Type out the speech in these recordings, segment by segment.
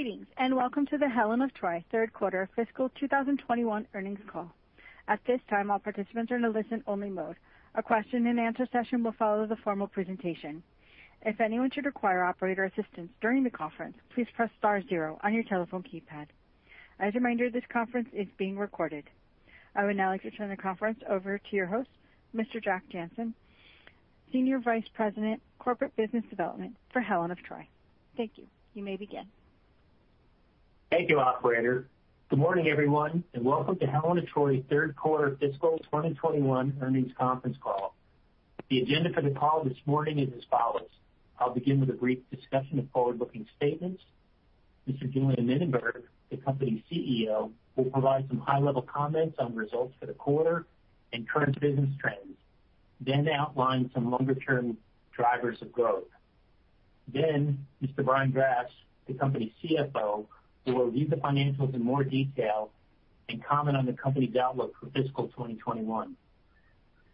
Greetings, and welcome to the Helen of Troy third quarter fiscal 2021 earnings call. At this time, all participants are in a listen-only mode. A question and answer session will follow the formal presentation. If anyone should require operator assistance during the conference, please press star zero on your telephone keypad. As a reminder, this conference is being recorded. I would now like to turn the conference over to your host, Mr. Jack Jancin, Senior Vice President, Corporate Business Development for Helen of Troy. Thank you. You may begin. Thank you, operator. Good morning, everyone, and welcome to Helen of Troy's third quarter fiscal 2021 earnings conference call. The agenda for the call this morning is as follows. I'll begin with a brief discussion of forward-looking statements. Mr. Julien Mininberg, the company's CEO, will provide some high-level comments on results for the quarter and current business trends, then outline some longer-term drivers of growth. Mr. Brian Grass, the company's CFO, will review the financials in more detail and comment on the company's outlook for fiscal 2021.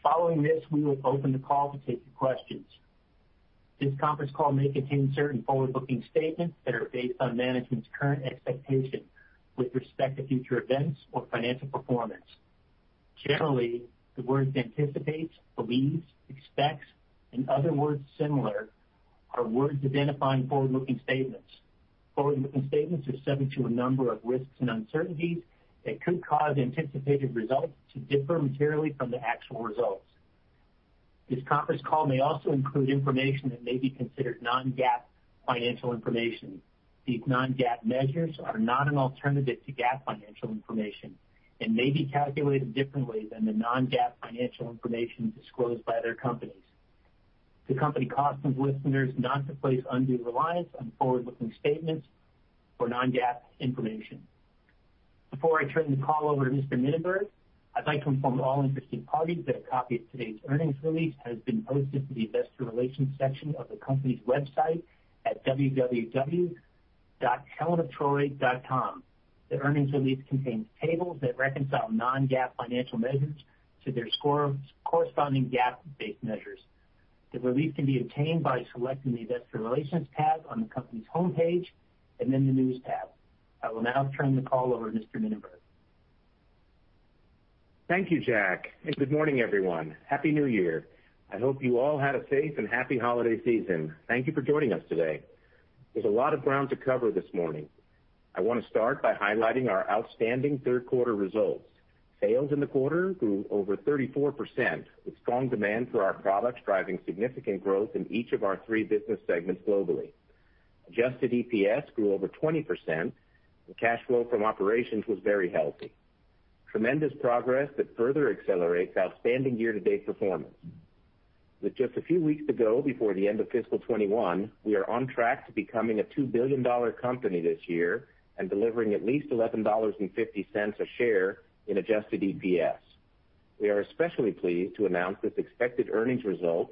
Following this, we will open the call to take your questions. This conference call may contain certain forward-looking statements that are based on management's current expectation with respect to future events or financial performance. Generally, the words "anticipates," "believes," "expects," and other words similar are words identifying forward-looking statements. Forward-looking statements are subject to a number of risks and uncertainties that could cause anticipated results to differ materially from the actual results. This conference call may also include information that may be considered non-GAAP financial information. These non-GAAP measures are not an alternative to GAAP financial information and may be calculated differently than the non-GAAP financial information disclosed by other companies. The company cautions listeners not to place undue reliance on forward-looking statements or non-GAAP information. Before I turn the call over to Mr. Mininberg, I'd like to inform all interested parties that a copy of today's earnings release has been posted to the investor relations section of the company's website at www.helenoftroy.com. The earnings release contains tables that reconcile non-GAAP financial measures to their corresponding GAAP-based measures. The release can be obtained by selecting the investor relations tab on the company's homepage and then the news tab. I will now turn the call over to Mr. Mininberg. Thank you, Jack. Good morning, everyone. Happy New Year. I hope you all had a safe and happy holiday season. Thank you for joining us today. There's a lot of ground to cover this morning. I want to start by highlighting our outstanding third quarter results. Sales in the quarter grew over 34%, with strong demand for our products driving significant growth in each of our three business segments globally. Adjusted EPS grew over 20%, and cash flow from operations was very healthy. Tremendous progress that further accelerates outstanding year-to-date performance. With just a few weeks to go before the end of fiscal 2021, we are on track to becoming a $2 billion company this year and delivering at least $11.50 a share in adjusted EPS. We are especially pleased to announce this expected earnings result,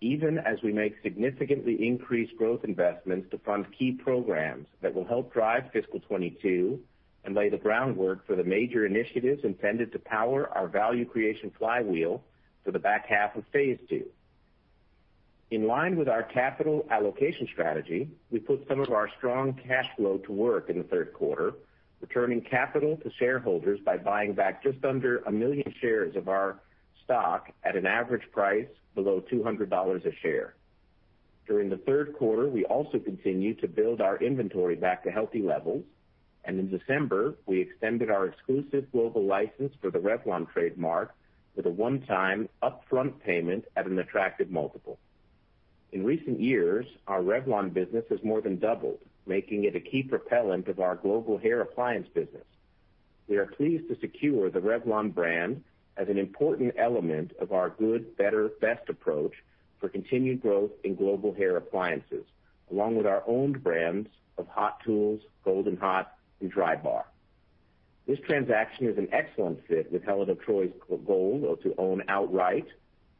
even as we make significantly increased growth investments to fund key programs that will help drive fiscal 2022 and lay the groundwork for the major initiatives intended to power our value creation flywheel for the back half of phase two. In line with our capital allocation strategy, we put some of our strong cash flow to work in the third quarter, returning capital to shareholders by buying back just under 1 million shares of our stock at an average price below $200 a share. During the third quarter, we also continued to build our inventory back to healthy levels, and in December, we extended our exclusive global license for the Revlon trademark with a one-time upfront payment at an attractive multiple. In recent years, our Revlon business has more than doubled, making it a key propellant of our global hair appliance business. We are pleased to secure the Revlon brand as an important element of our good, better, best approach for continued growth in global hair appliances, along with our owned brands of Hot Tools, Gold 'N Hot, and Drybar. This transaction is an excellent fit with Helen of Troy's goal to own outright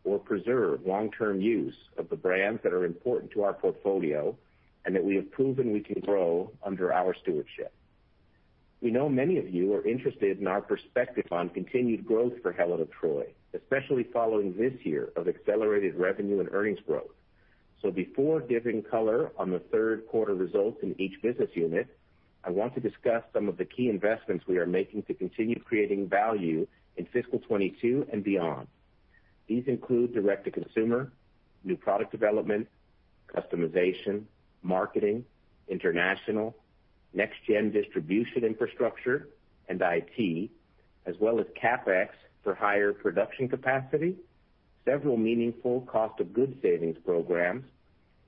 or preserve long-term use of the brands that are important to our portfolio and that we have proven we can grow under our stewardship. We know many of you are interested in our perspective on continued growth for Helen of Troy, especially following this year of accelerated revenue and earnings growth. Before giving color on the third quarter results in each business unit, I want to discuss some of the key investments we are making to continue creating value in fiscal 2022 and beyond. These include direct-to-consumer, new product development, customization, marketing, international, next-gen distribution infrastructure, and IT, as well as CapEx for higher production capacity, several meaningful cost of goods savings programs,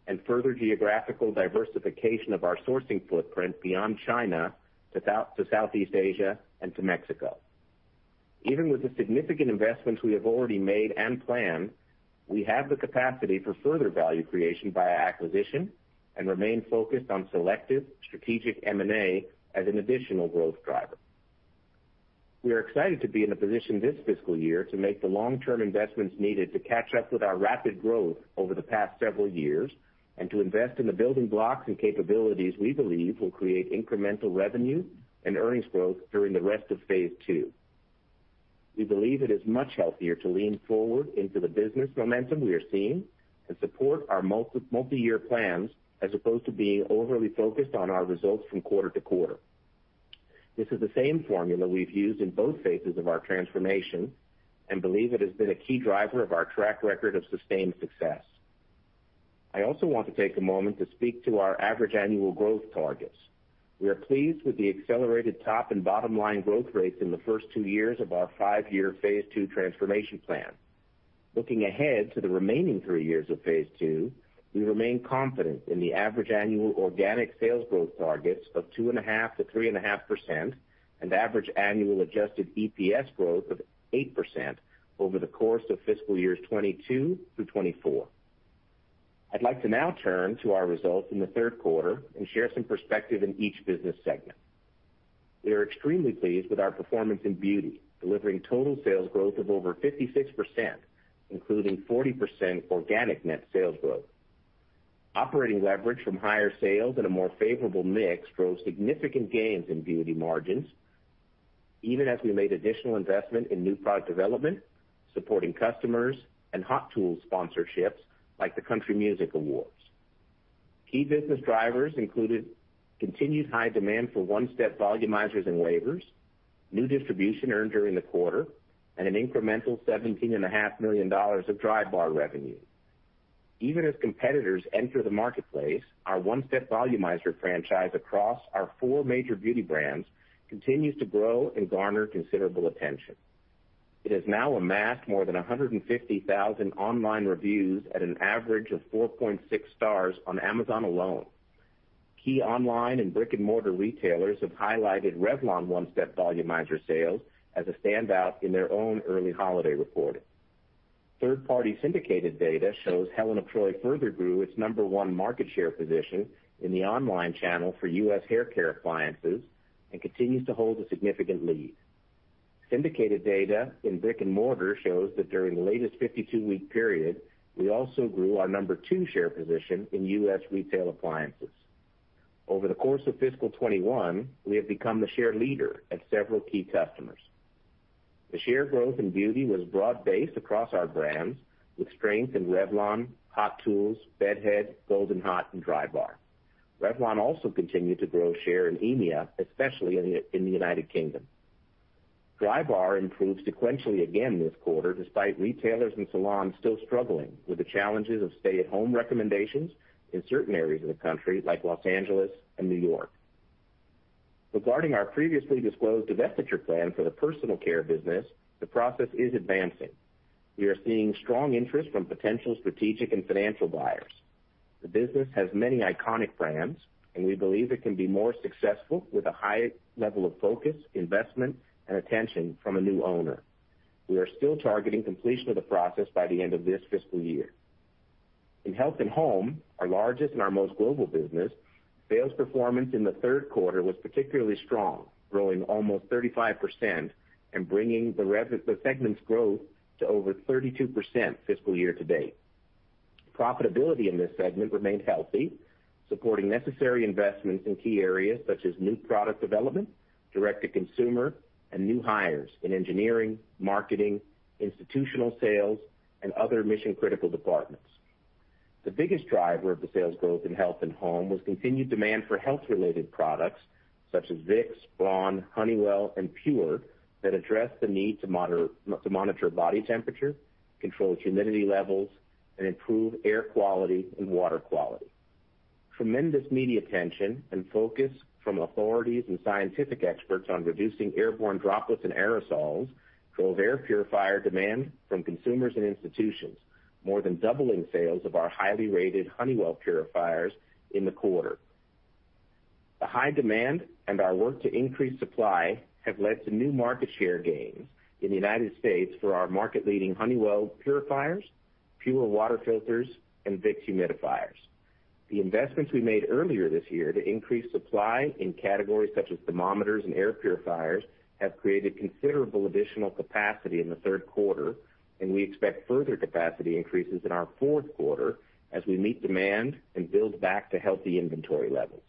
and further geographical diversification of our sourcing footprint beyond China to Southeast Asia and to Mexico. Even with the significant investments we have already made and planned, we have the capacity for further value creation via acquisition and remain focused on selective strategic M&A as an additional growth driver. We are excited to be in a position this fiscal year to make the long-term investments needed to catch up with our rapid growth over the past several years and to invest in the building blocks and capabilities we believe will create incremental revenue and earnings growth during the rest of phase II. We believe it is much healthier to lean forward into the business momentum we are seeing and support our multi-year plans, as opposed to being overly focused on our results from quarter to quarter. This is the same formula we've used in both phases of our transformation and believe it has been a key driver of our track record of sustained success. I also want to take a moment to speak to our average annual growth targets. We are pleased with the accelerated top and bottom-line growth rates in the first two years of our five-year phase II transformation plan. Looking ahead to the remaining three years of phase II, we remain confident in the average annual organic sales growth targets of 2.5%-3.5% and average annual adjusted EPS growth of 8% over the course of fiscal years 2022 through 2024. I'd like to now turn to our results in the third quarter and share some perspective in each business segment. We are extremely pleased with our performance in beauty, delivering total sales growth of over 56%, including 40% organic net sales growth. Operating leverage from higher sales and a more favorable mix drove significant gains in beauty margins, even as we made additional investment in new product development, supporting customers, and Hot Tools sponsorships like the Country Music Awards. Key business drivers included continued high demand for One-Step Volumizers and wavers, new distribution earned during the quarter, and an incremental $17.5 million of Drybar revenue. Even as competitors enter the marketplace, our One-Step Volumizer franchise across our four major beauty brands continues to grow and garner considerable attention. It has now amassed more than 150,000 online reviews at an average of 4.6 stars on Amazon alone. Key online and brick-and-mortar retailers have highlighted Revlon One-Step Volumizer sales as a standout in their own early holiday reporting. Third-party syndicated data shows Helen of Troy further grew its number one market share position in the online channel for U.S. haircare appliances and continues to hold a significant lead. Syndicated data in brick-and-mortar shows that during the latest 52-week period, we also grew our number two share position in U.S. retail appliances. Over the course of fiscal 2021, we have become the share leader at several key customers. The share growth in beauty was broad-based across our brands, with strength in Revlon, Hot Tools, Bed Head, Gold 'N Hot, and Drybar. Revlon also continued to grow share in EMEA, especially in the United Kingdom. Drybar improved sequentially again this quarter, despite retailers and salons still struggling with the challenges of stay-at-home recommendations in certain areas of the country, like Los Angeles and New York Regarding our previously disclosed divestiture plan for the personal care business, the process is advancing. We are seeing strong interest from potential strategic and financial buyers. The business has many iconic brands, and we believe it can be more successful with a higher level of focus, investment, and attention from a new owner. We are still targeting completion of the process by the end of this fiscal year. In Health & Home, our largest and our most global business, sales performance in the third quarter was particularly strong, growing almost 35% and bringing the segment's growth to over 32% fiscal year to date. Profitability in this segment remained healthy, supporting necessary investments in key areas such as new product development, direct-to-consumer, and new hires in engineering, marketing, institutional sales, and other mission-critical departments. The biggest driver of the sales growth in Health & Home was continued demand for health-related products such as Vicks, Braun, Honeywell, and PUR that address the need to monitor body temperature, control humidity levels, and improve air quality and water quality. Tremendous media attention and focus from authorities and scientific experts on reducing airborne droplets and aerosols drove air purifier demand from consumers and institutions, more than doubling sales of our highly rated Honeywell purifiers in the quarter. The high demand and our work to increase supply have led to new market share gains in the U.S. for our market-leading Honeywell purifiers, PUR water filters, and Vicks humidifiers. The investments we made earlier this year to increase supply in categories such as thermometers and air purifiers have created considerable additional capacity in the third quarter, and we expect further capacity increases in our fourth quarter as we meet demand and build back to healthy inventory levels.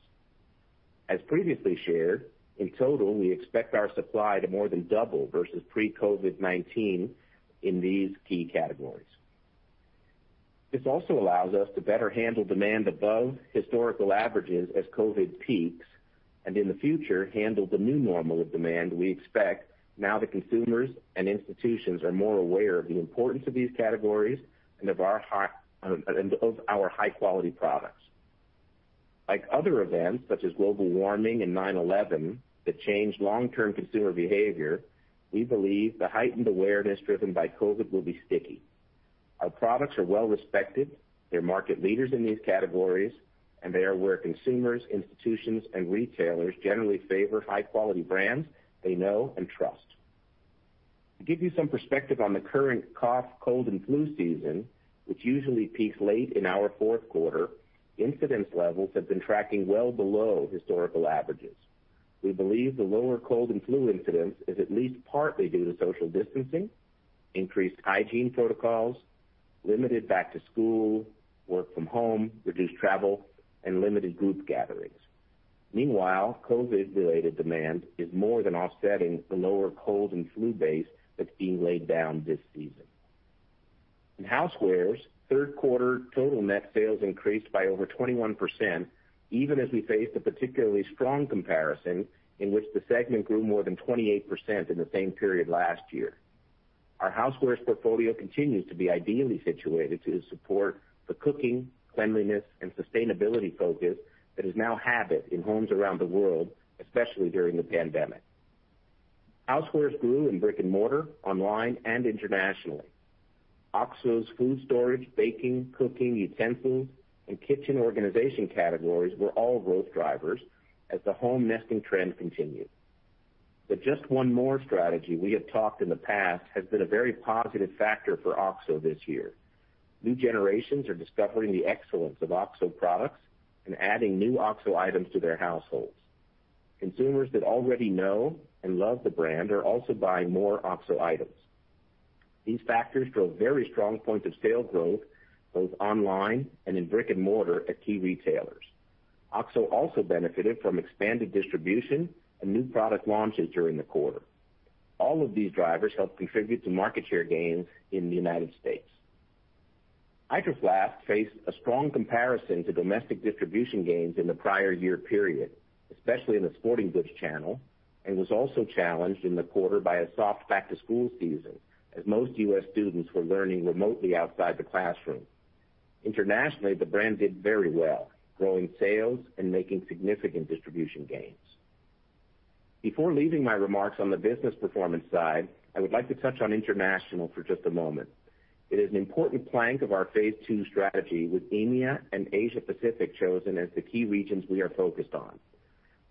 As previously shared, in total, we expect our supply to more than double versus pre-COVID-19 in these key categories. This also allows us to better handle demand above historical averages as COVID peaks, and in the future, handle the new normal of demand we expect now that consumers and institutions are more aware of the importance of these categories and of our high-quality products. Like other events, such as global warming and 9/11, that change long-term consumer behavior, we believe the heightened awareness driven by COVID will be sticky. Our products are well-respected, they're market leaders in these categories, and they are where consumers, institutions, and retailers generally favor high-quality brands they know and trust. To give you some perspective on the current cough, cold, and flu season, which usually peaks late in our fourth quarter, incidence levels have been tracking well below historical averages. We believe the lower cold and flu incidence is at least partly due to social distancing, increased hygiene protocols, limited back-to-school, work from home, reduced travel, and limited group gatherings. COVID-related demand is more than offsetting the lower cold and flu base that's being laid down this season. In Housewares, third quarter total net sales increased by over 21%, even as we faced a particularly strong comparison in which the segment grew more than 28% in the same period last year. Our Housewares portfolio continues to be ideally situated to support the cooking, cleanliness, and sustainability focus that is now habit in homes around the world, especially during the pandemic. Housewares grew in brick and mortar, online, and internationally. OXO's food storage, baking, cooking utensils, and kitchen organization categories were all growth drivers as the home nesting trend continued. The "just one more" strategy we have talked about in the past has been a very positive factor for OXO this year. New generations are discovering the excellence of OXO products and adding new OXO items to their households. Consumers that already know and love the brand are also buying more OXO items. These factors drove very strong points of sales growth both online and in brick and mortar at key retailers. OXO also benefited from expanded distribution and new product launches during the quarter. All of these drivers helped contribute to market share gains in the United States. Hydro Flask faced a strong comparison to domestic distribution gains in the prior year period, especially in the sporting goods channel, and was also challenged in the quarter by a soft back-to-school season, as most U.S. students were learning remotely outside the classroom. Internationally, the brand did very well, growing sales and making significant distribution gains. Before leaving my remarks on the business performance side, I would like to touch on international for just a moment. It is an important plank of our phase two strategy, with EMEA and Asia Pacific chosen as the key regions we are focused on.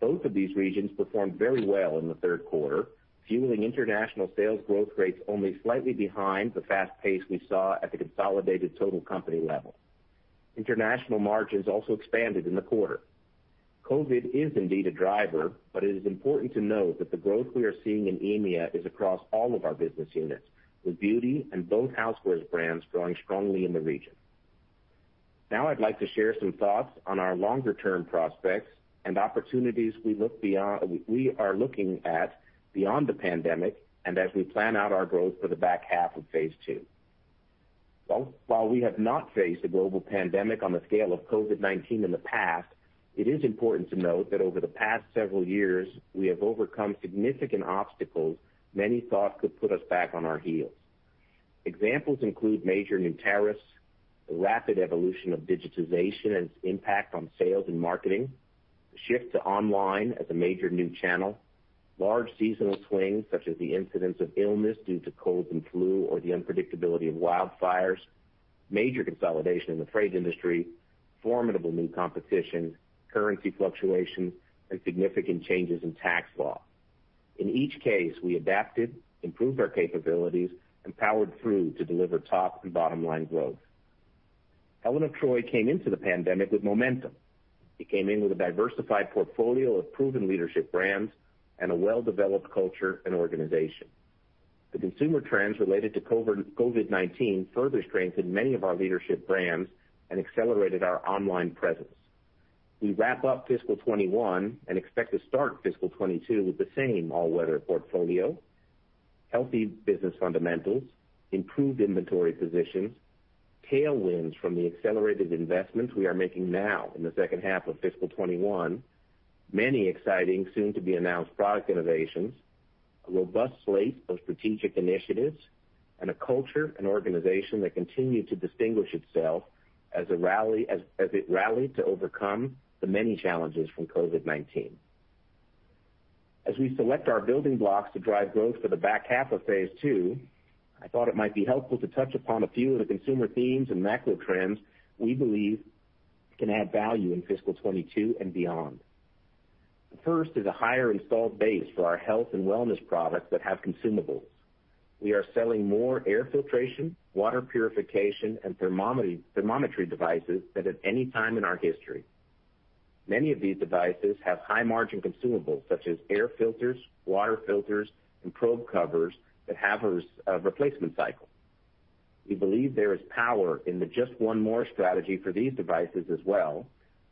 Both of these regions performed very well in the third quarter, fueling international sales growth rates only slightly behind the fast pace we saw at the consolidated total company level. International margins also expanded in the quarter. COVID is indeed a driver, but it is important to note that the growth we are seeing in EMEA is across all of our business units, with beauty and both Housewares brands growing strongly in the region. I'd like to share some thoughts on our longer-term prospects and opportunities we are looking at beyond the pandemic and as we plan out our growth for the back half of phase two. While we have not faced a global pandemic on the scale of COVID-19 in the past, it is important to note that over the past several years, we have overcome significant obstacles many thought could put us back on our heels. Examples include major new tariffs, the rapid evolution of digitization and its impact on sales and marketing, the shift to online as a major new channel, large seasonal swings such as the incidence of illness due to colds and flu or the unpredictability of wildfires, major consolidation in the freight industry, formidable new competition, currency fluctuation, and significant changes in tax law. In each case, we adapted, improved our capabilities, and powered through to deliver top and bottom-line growth. Helen of Troy came into the pandemic with momentum. It came in with a diversified portfolio of proven leadership brands and a well-developed culture and organization. The consumer trends related to COVID-19 further strengthened many of our leadership brands and accelerated our online presence. We wrap up fiscal 2021 and expect to start fiscal 2022 with the same all-weather portfolio, healthy business fundamentals, improved inventory positions, tailwinds from the accelerated investments we are making now in the second half of fiscal 2021, many exciting soon-to-be-announced product innovations, a robust slate of strategic initiatives, and a culture and organization that continue to distinguish itself as it rallied to overcome the many challenges from COVID-19. As we select our building blocks to drive growth for the back half of phase II, I thought it might be helpful to touch upon a few of the consumer themes and macro trends we believe can add value in fiscal 2022 and beyond. The first is a higher installed base for our health and wellness products that have consumables. We are selling more air filtration, water purification, and thermometry devices than at any time in our history. Many of these devices have high-margin consumables such as air filters, water filters, and probe covers that have a replacement cycle. We believe there is power in the "just one more" strategy for these devices as well,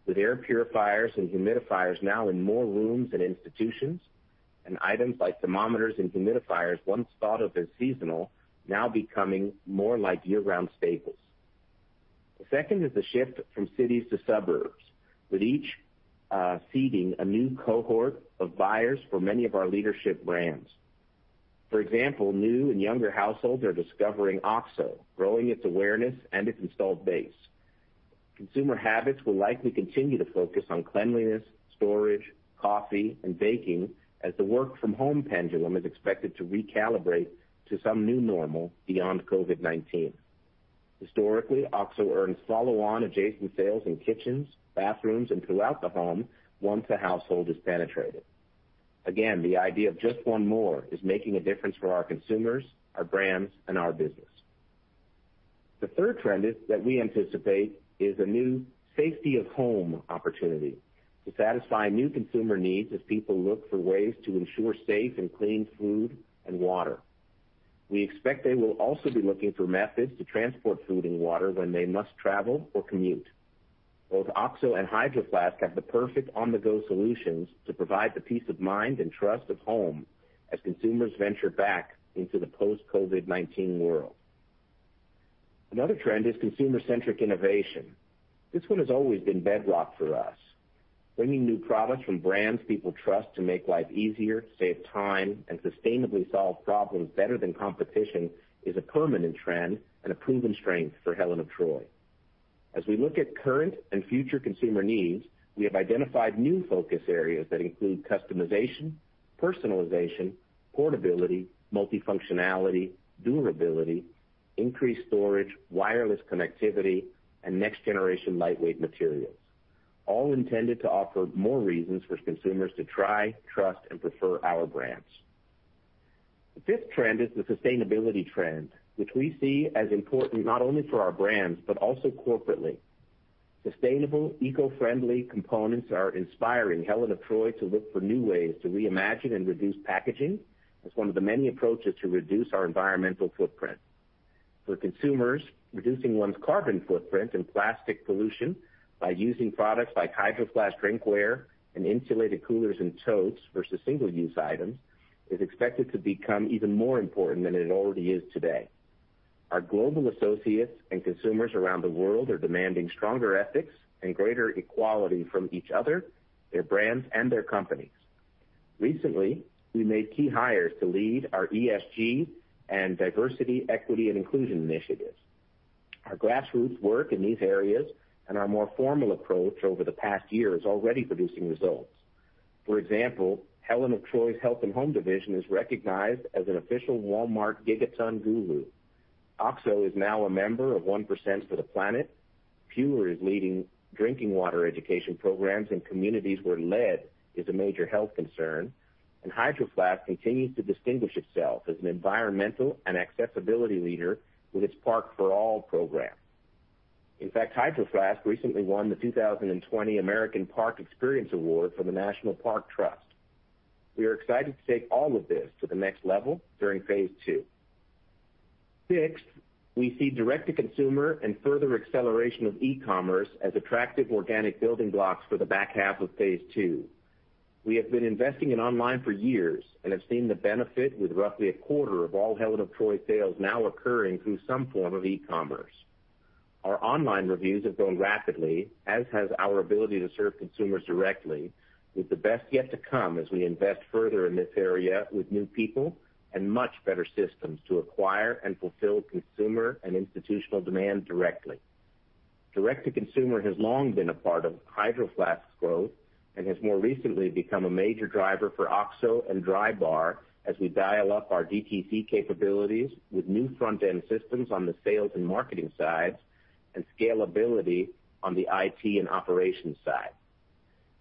with air purifiers and humidifiers now in more rooms and institutions, and items like thermometers and humidifiers once thought of as seasonal now becoming more like year-round staples. The second is the shift from cities to suburbs, with each seeding a new cohort of buyers for many of our leadership brands. For example, new and younger households are discovering OXO, growing its awareness and its installed base. Consumer habits will likely continue to focus on cleanliness, storage, coffee, and baking as the work-from-home pendulum is expected to recalibrate to some new normal beyond COVID-19. Historically, OXO earns follow-on adjacent sales in kitchens, bathrooms, and throughout the home once a household is penetrated. Again, the idea of "just one more" is making a difference for our consumers, our brands, and our business. The third trend that we anticipate is a new safety of home opportunity to satisfy new consumer needs as people look for ways to ensure safe and clean food and water. We expect they will also be looking for methods to transport food and water when they must travel or commute. Both OXO and Hydro Flask have the perfect on-the-go solutions to provide the peace of mind and trust of home as consumers venture back into the post-COVID-19 world. Another trend is consumer-centric innovation. This one has always been bedrock for us. Bringing new products from brands people trust to make life easier, save time, and sustainably solve problems better than competition is a permanent trend and a proven strength for Helen of Troy. As we look at current and future consumer needs, we have identified new focus areas that include customization, personalization, portability, multifunctionality, durability, increased storage, wireless connectivity, and next generation lightweight materials, all intended to offer more reasons for consumers to try, trust, and prefer our brands. The fifth trend is the sustainability trend, which we see as important not only for our brands, but also corporately. Sustainable, eco-friendly components are inspiring Helen of Troy to look for new ways to reimagine and reduce packaging as one of the many approaches to reduce our environmental footprint. For consumers, reducing one's carbon footprint and plastic pollution by using products like Hydro Flask drinkware and insulated coolers and totes versus single-use items is expected to become even more important than it already is today. Our global associates and consumers around the world are demanding stronger ethics and greater equality from each other, their brands, and their companies. Recently, we made key hires to lead our ESG and diversity, equity, and inclusion initiatives. Our grassroots work in these areas and our more formal approach over the past year is already producing results. For example, Helen of Troy's Health and Home division is recognized as an official Walmart Gigaton Guru. OXO is now a member of 1% for the Planet. PUR is leading drinking water education programs in communities where lead is a major health concern. Hydro Flask continues to distinguish itself as an environmental and accessibility leader with its Parks for All program. In fact, Hydro Flask recently won the 2020 American Park Experience Award from the National Park Trust. We are excited to take all of this to the next level during phase II. Sixth, we see direct-to-consumer and further acceleration of e-commerce as attractive organic building blocks for the back half of phase II. We have been investing in online for years and have seen the benefit with roughly a quarter of all Helen of Troy sales now occurring through some form of e-commerce. Our online reviews have grown rapidly, as has our ability to serve consumers directly, with the best yet to come as we invest further in this area with new people and much better systems to acquire and fulfill consumer and institutional demand directly. Direct-to-consumer has long been a part of Hydro Flask's growth and has more recently become a major driver for OXO and Drybar as we dial up our D2C capabilities with new front-end systems on the sales and marketing sides and scalability on the IT and operations side.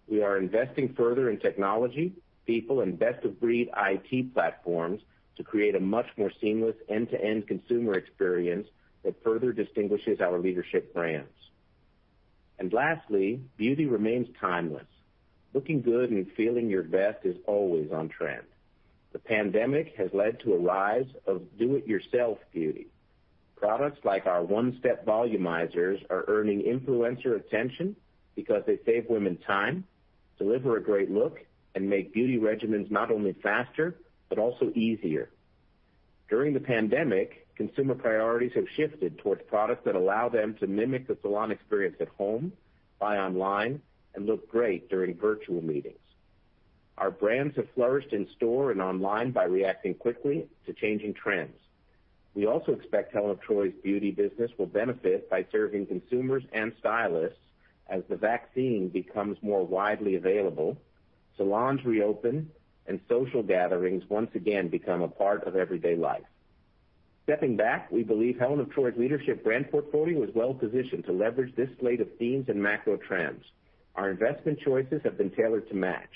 We are investing further in technology, people, and best-of-breed IT platforms to create a much more seamless end-to-end consumer experience that further distinguishes our leadership brands. Lastly, beauty remains timeless. Looking good and feeling your best is always on trend. The pandemic has led to a rise of do-it-yourself beauty. Products like our One-Step Volumizers are earning influencer attention because they save women time, deliver a great look, and make beauty regimens not only faster, but also easier. During the pandemic, consumer priorities have shifted towards products that allow them to mimic the salon experience at home, buy online, and look great during virtual meetings. Our brands have flourished in store and online by reacting quickly to changing trends. We also expect Helen of Troy's beauty business will benefit by serving consumers and stylists as the vaccine becomes more widely available, salons reopen, and social gatherings once again become a part of everyday life. Stepping back, we believe Helen of Troy's leadership brand portfolio is well-positioned to leverage this slate of themes and macro trends. Our investment choices have been tailored to match.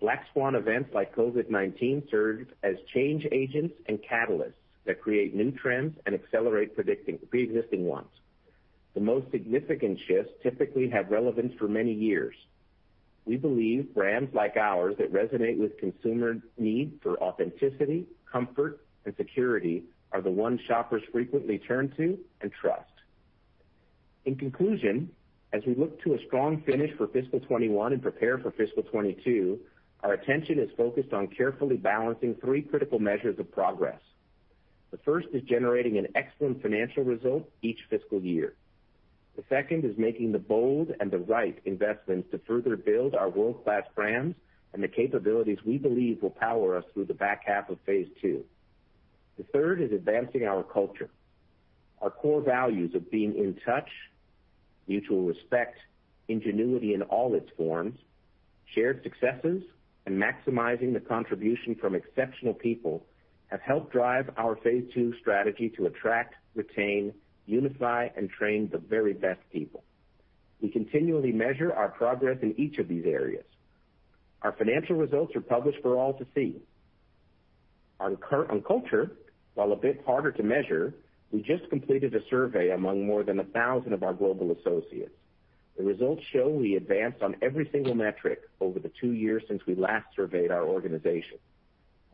Black swan events like COVID-19 serve as change agents and catalysts that create new trends and accelerate preexisting ones. The most significant shifts typically have relevance for many years. We believe brands like ours that resonate with consumer need for authenticity, comfort, and security are the ones shoppers frequently turn to and trust. In conclusion, as we look to a strong finish for fiscal 2021 and prepare for fiscal 2022, our attention is focused on carefully balancing three critical measures of progress. The first is generating an excellent financial result each fiscal year. The second is making the bold and the right investments to further build our world-class brands and the capabilities we believe will power us through the back half of phase II. The third is advancing our culture. Our core values of being in touch, mutual respect, ingenuity in all its forms, shared successes, and maximizing the contribution from exceptional people have helped drive our phase II strategy to attract, retain, unify, and train the very best people. We continually measure our progress in each of these areas. Our financial results are published for all to see. On culture, while a bit harder to measure, we just completed a survey among more than 1,000 of our global associates. The results show we advanced on every single metric over the two years since we last surveyed our organization.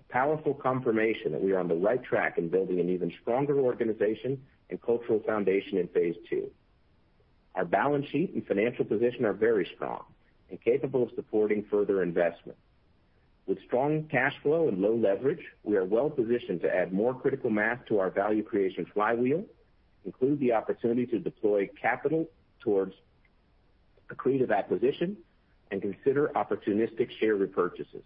A powerful confirmation that we are on the right track in building an even stronger organization and cultural foundation in phase two. Our balance sheet and financial position are very strong and capable of supporting further investment. With strong cash flow and low leverage, we are well-positioned to add more critical mass to our value creation flywheel, include the opportunity to deploy capital towards accretive acquisition, and consider opportunistic share repurchases.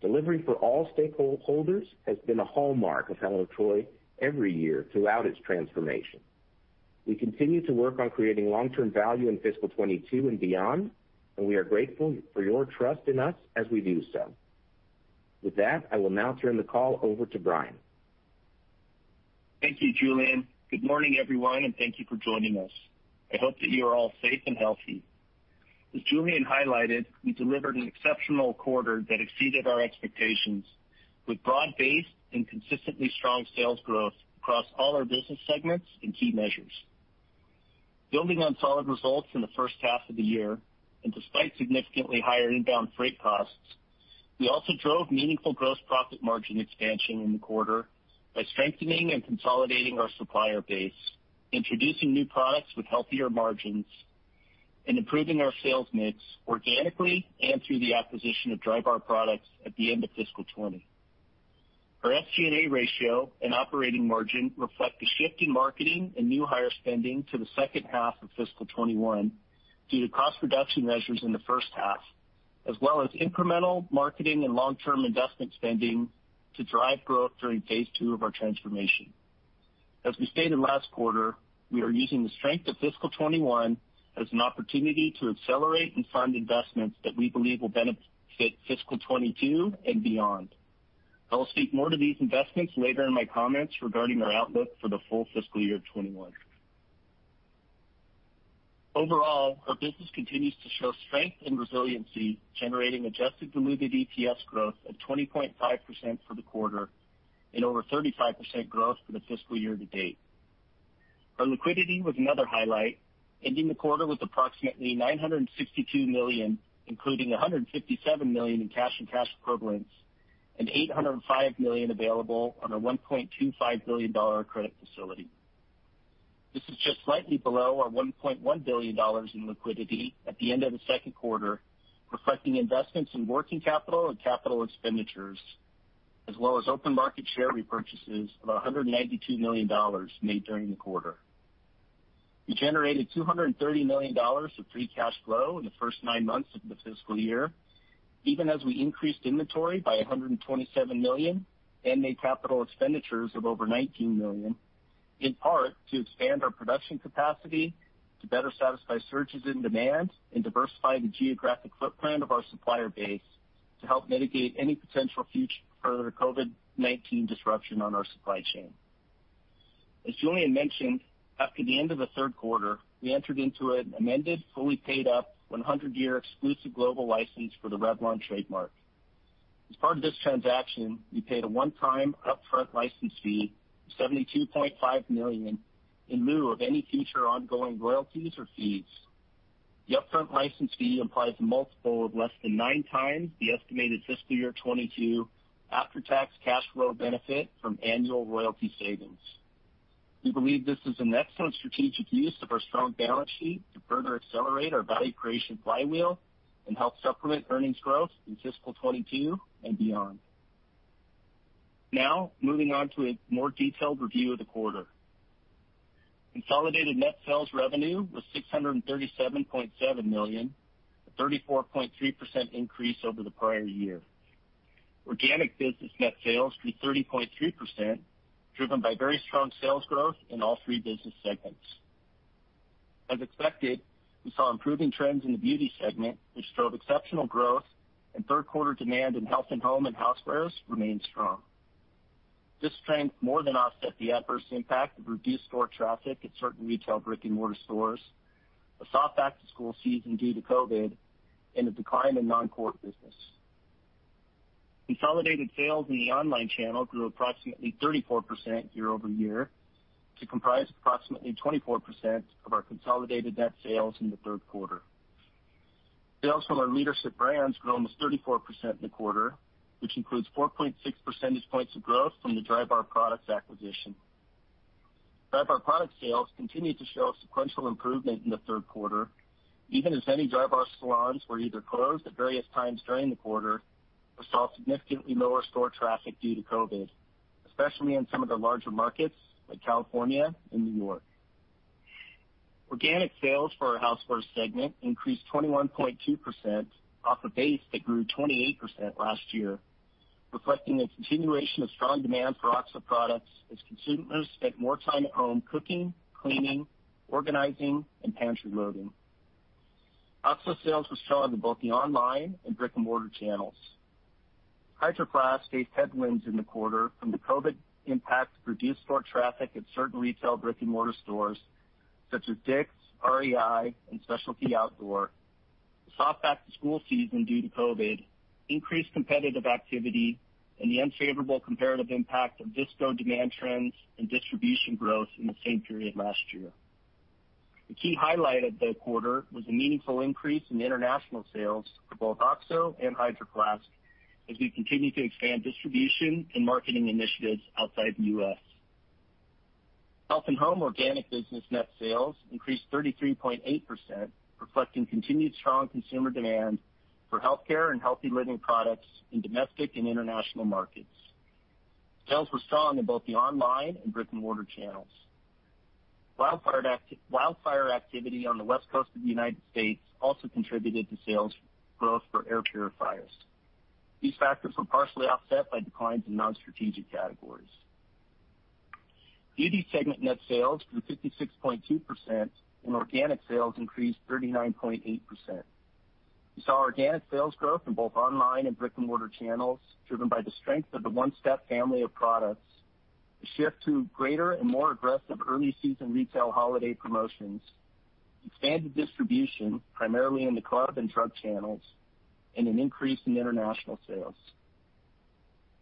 Delivery for all stakeholders has been a hallmark of Helen of Troy every year throughout its transformation. We continue to work on creating long-term value in fiscal 2022 and beyond, and we are grateful for your trust in us as we do so. With that, I will now turn the call over to Brian. Thank you, Julien. Good morning, everyone, and thank you for joining us. I hope that you are all safe and healthy. As Julien highlighted, we delivered an exceptional quarter that exceeded our expectations with broad-based and consistently strong sales growth across all our business segments and key measures. Building on solid results in the first half of the year, and despite significantly higher inbound freight costs, we also drove meaningful gross profit margin expansion in the quarter by strengthening and consolidating our supplier base, introducing new products with healthier margins, and improving our sales mix organically and through the acquisition of Drybar Products at the end of fiscal 2020. Our SG&A ratio and operating margin reflect a shift in marketing and new hire spending to the second half of fiscal 2021 due to cost reduction measures in the first half, as well as incremental marketing and long-term investment spending to drive growth during phase II of our transformation. As we stated last quarter, we are using the strength of fiscal 2021 as an opportunity to accelerate and fund investments that we believe will benefit fiscal 2022 and beyond. I will speak more to these investments later in my comments regarding our outlook for the full fiscal year 2021. Overall, our business continues to show strength and resiliency, generating adjusted diluted EPS growth of 20.5% for the quarter and over 35% growth for the fiscal year to date. Our liquidity was another highlight, ending the quarter with approximately $962 million, including $157 million in cash and cash equivalents, and $805 million available on a $1.25 billion credit facility. This is just slightly below our $1.1 billion in liquidity at the end of the second quarter, reflecting investments in working capital and capital expenditures, as well as open market share repurchases of $192 million made during the quarter. We generated $230 million of free cash flow in the first nine months of the fiscal year, even as we increased inventory by $127 million and made capital expenditures of over $19 million, in part to expand our production capacity to better satisfy surges in demand and diversify the geographic footprint of our supplier base to help mitigate any potential future further COVID-19 disruption on our supply chain. As Julien mentioned, after the end of the third quarter, we entered into an amended, fully paid-up, 100-year exclusive global license for the Revlon trademark. As part of this transaction, we paid a one-time upfront license fee of $72.5 million in lieu of any future ongoing royalties or fees. The upfront license fee implies a multiple of less than 9x the estimated fiscal year 2022 after-tax cash flow benefit from annual royalty savings. We believe this is an excellent strategic use of our strong balance sheet to further accelerate our value creation flywheel and help supplement earnings growth in fiscal 2022 and beyond. Now, moving on to a more detailed review of the quarter. Consolidated net sales revenue was $637.7 million, a 34.3% increase over the prior year. Organic business net sales grew 30.3%, driven by very strong sales growth in all three business segments. As expected, we saw improving trends in the Beauty segment, which drove exceptional growth, and third quarter demand in Health & Home and Housewares remained strong. This strength more than offset the adverse impact of reduced store traffic at certain retail brick-and-mortar stores, a soft back-to-school season due to COVID-19, and a decline in non-core business. Consolidated sales in the online channel grew approximately 34% year-over-year to comprise approximately 24% of our consolidated net sales in the third quarter. Sales from our leadership brands grew almost 34% in the quarter, which includes 4.6 percentage points of growth from the Drybar Products acquisition. Drybar Products sales continued to show a sequential improvement in the third quarter, even as many Drybar salons were either closed at various times during the quarter or saw significantly lower store traffic due to COVID, especially in some of the larger markets like California and New York. Organic sales for our housewares segment increased 21.2% off a base that grew 28% last year, reflecting a continuation of strong demand for OXO products as consumers spent more time at home cooking, cleaning, organizing, and pantry loading. OXO sales were strong in both the online and brick-and-mortar channels. Hydro Flask faced headwinds in the quarter from the COVID impact to reduced store traffic at certain retail brick-and-mortar stores, such as Dick's, REI, and Specialty Outdoor. The soft back-to-school season due to COVID increased competitive activity and the unfavorable comparative impact of disco demand trends and distribution growth in the same period last year. The key highlight of the quarter was a meaningful increase in international sales for both OXO and Hydro Flask as we continue to expand distribution and marketing initiatives outside the U.S. Health and Home organic business net sales increased 33.8%, reflecting continued strong consumer demand for healthcare and healthy living products in domestic and international markets. Sales were strong in both the online and brick-and-mortar channels. Wildfire activity on the West Coast of the United States also contributed to sales growth for air purifiers. These factors were partially offset by declines in non-strategic categories. Beauty segment net sales grew 56.2%, and organic sales increased 39.8%. We saw organic sales growth in both online and brick-and-mortar channels, driven by the strength of the One-Step family of products, the shift to greater and more aggressive early-season retail holiday promotions, expanded distribution, primarily in the club and drug channels, and an increase in international sales.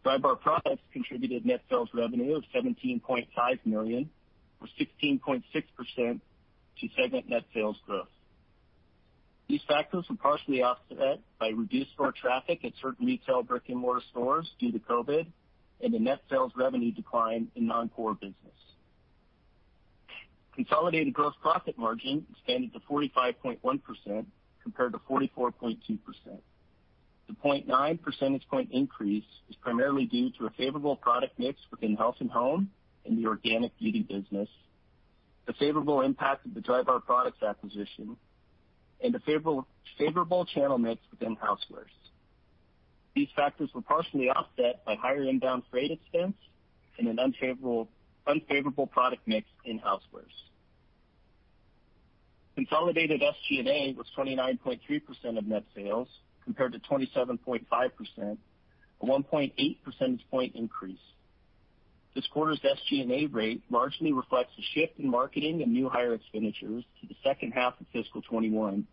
Drybar Products contributed net sales revenue of $17.5 million or 16.6% to segment net sales growth. These factors were partially offset by reduced store traffic at certain retail brick-and-mortar stores due to COVID-19 and a net sales revenue decline in non-core business. Consolidated gross profit margin expanded to 45.1% compared to 44.2%. The 0.9 percentage point increase is primarily due to a favorable product mix within Health & Home and the organic beauty business, the favorable impact of the Drybar Products acquisition, and a favorable channel mix within Housewares. These factors were partially offset by higher inbound freight expense and an unfavorable product mix in Housewares. Consolidated SG&A was 29.3% of net sales, compared to 27.5%, a 1.8 percentage point increase. This quarter's SG&A rate largely reflects the shift in marketing and new hire expenditures to the second half of fiscal 2021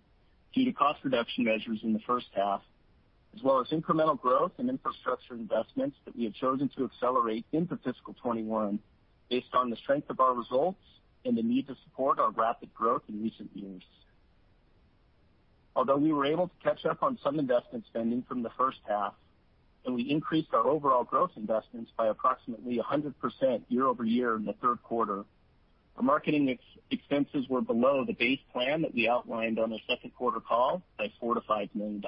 due to cost reduction measures in the first half, as well as incremental growth and infrastructure investments that we have chosen to accelerate into fiscal 2021 based on the strength of our results and the need to support our rapid growth in recent years. We were able to catch up on some investment spending from the first half, and we increased our overall growth investments by approximately 100% year-over-year in the third quarter, our marketing expenses were below the base plan that we outlined on the second quarter call by $4 million-$5 million.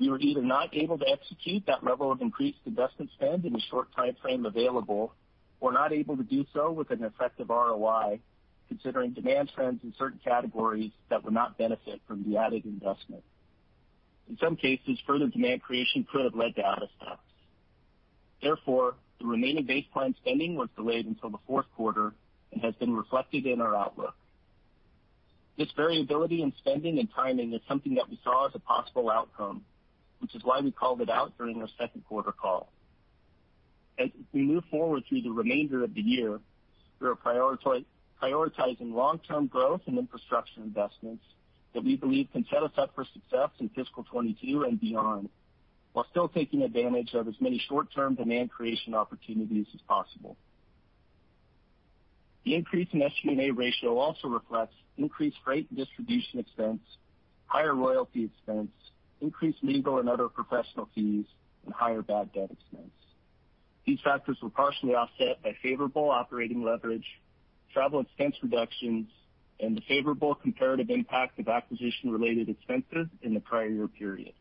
We were either not able to execute that level of increased investment spend in the short timeframe available or not able to do so with an effective ROI, considering demand trends in certain categories that would not benefit from the added investment. In some cases, further demand creation could have led to out of stocks. The remaining base plan spending was delayed until the fourth quarter and has been reflected in our outlook. This variability in spending and timing is something that we saw as a possible outcome, which is why we called it out during our second quarter call. As we move forward through the remainder of the year, we are prioritizing long-term growth and infrastructure investments that we believe can set us up for success in fiscal 2022 and beyond, while still taking advantage of as many short-term demand creation opportunities as possible. The increase in SG&A ratio also reflects increased freight and distribution expense, higher royalty expense, increased legal and other professional fees, and higher bad debt expense. These factors were partially offset by favorable operating leverage, travel expense reductions, and the favorable comparative impact of acquisition-related expenses in the prior year period.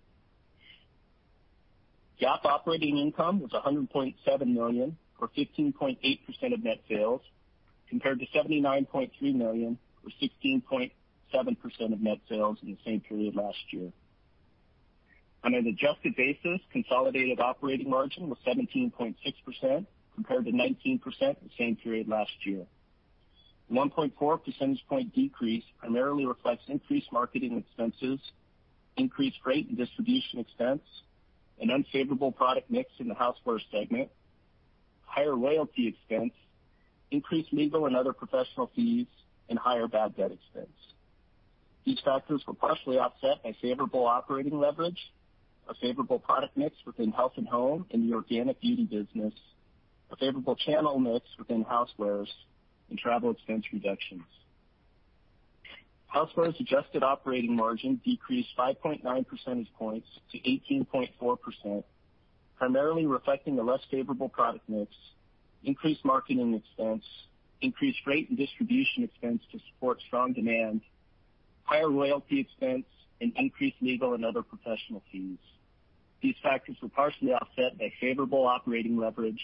GAAP operating income was $100.7 million, or 15.8% of net sales, compared to $79.3 million, or 16.7% of net sales in the same period last year. On an adjusted basis, consolidated operating margin was 17.6%, compared to 19% the same period last year. A 1.4 percentage point decrease primarily reflects increased marketing expenses, increased freight and distribution expense, an unfavorable product mix in the Housewares segment, higher royalty expense, increased legal and other professional fees, and higher bad debt expense. These factors were partially offset by favorable operating leverage, a favorable product mix within Health & Home and the organic beauty business, a favorable channel mix within Housewares, and travel expense reductions. Housewares adjusted operating margin decreased 5.9 percentage points to 18.4%, primarily reflecting a less favorable product mix, increased marketing expense, increased freight and distribution expense to support strong demand, higher royalty expense, and increased legal and other professional fees. These factors were partially offset by favorable operating leverage,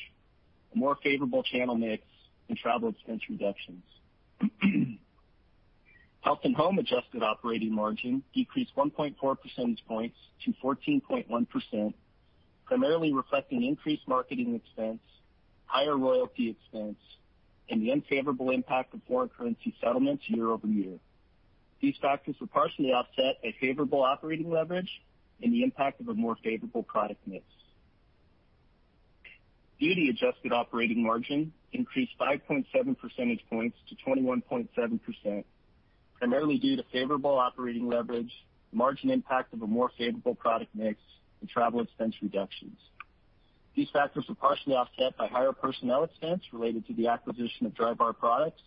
a more favorable channel mix, and travel expense reductions. Health & Home adjusted operating margin decreased 1.4 percentage points to 14.1%, primarily reflecting increased marketing expense, higher royalty expense, and the unfavorable impact of foreign currency settlements year-over year. These factors were partially offset by favorable operating leverage and the impact of a more favorable product mix. Beauty adjusted operating margin increased 5.7 percentage points to 21.7%, primarily due to favorable operating leverage, margin impact of a more favorable product mix, and travel expense reductions. These factors were partially offset by higher personnel expense related to the acquisition of Drybar Products,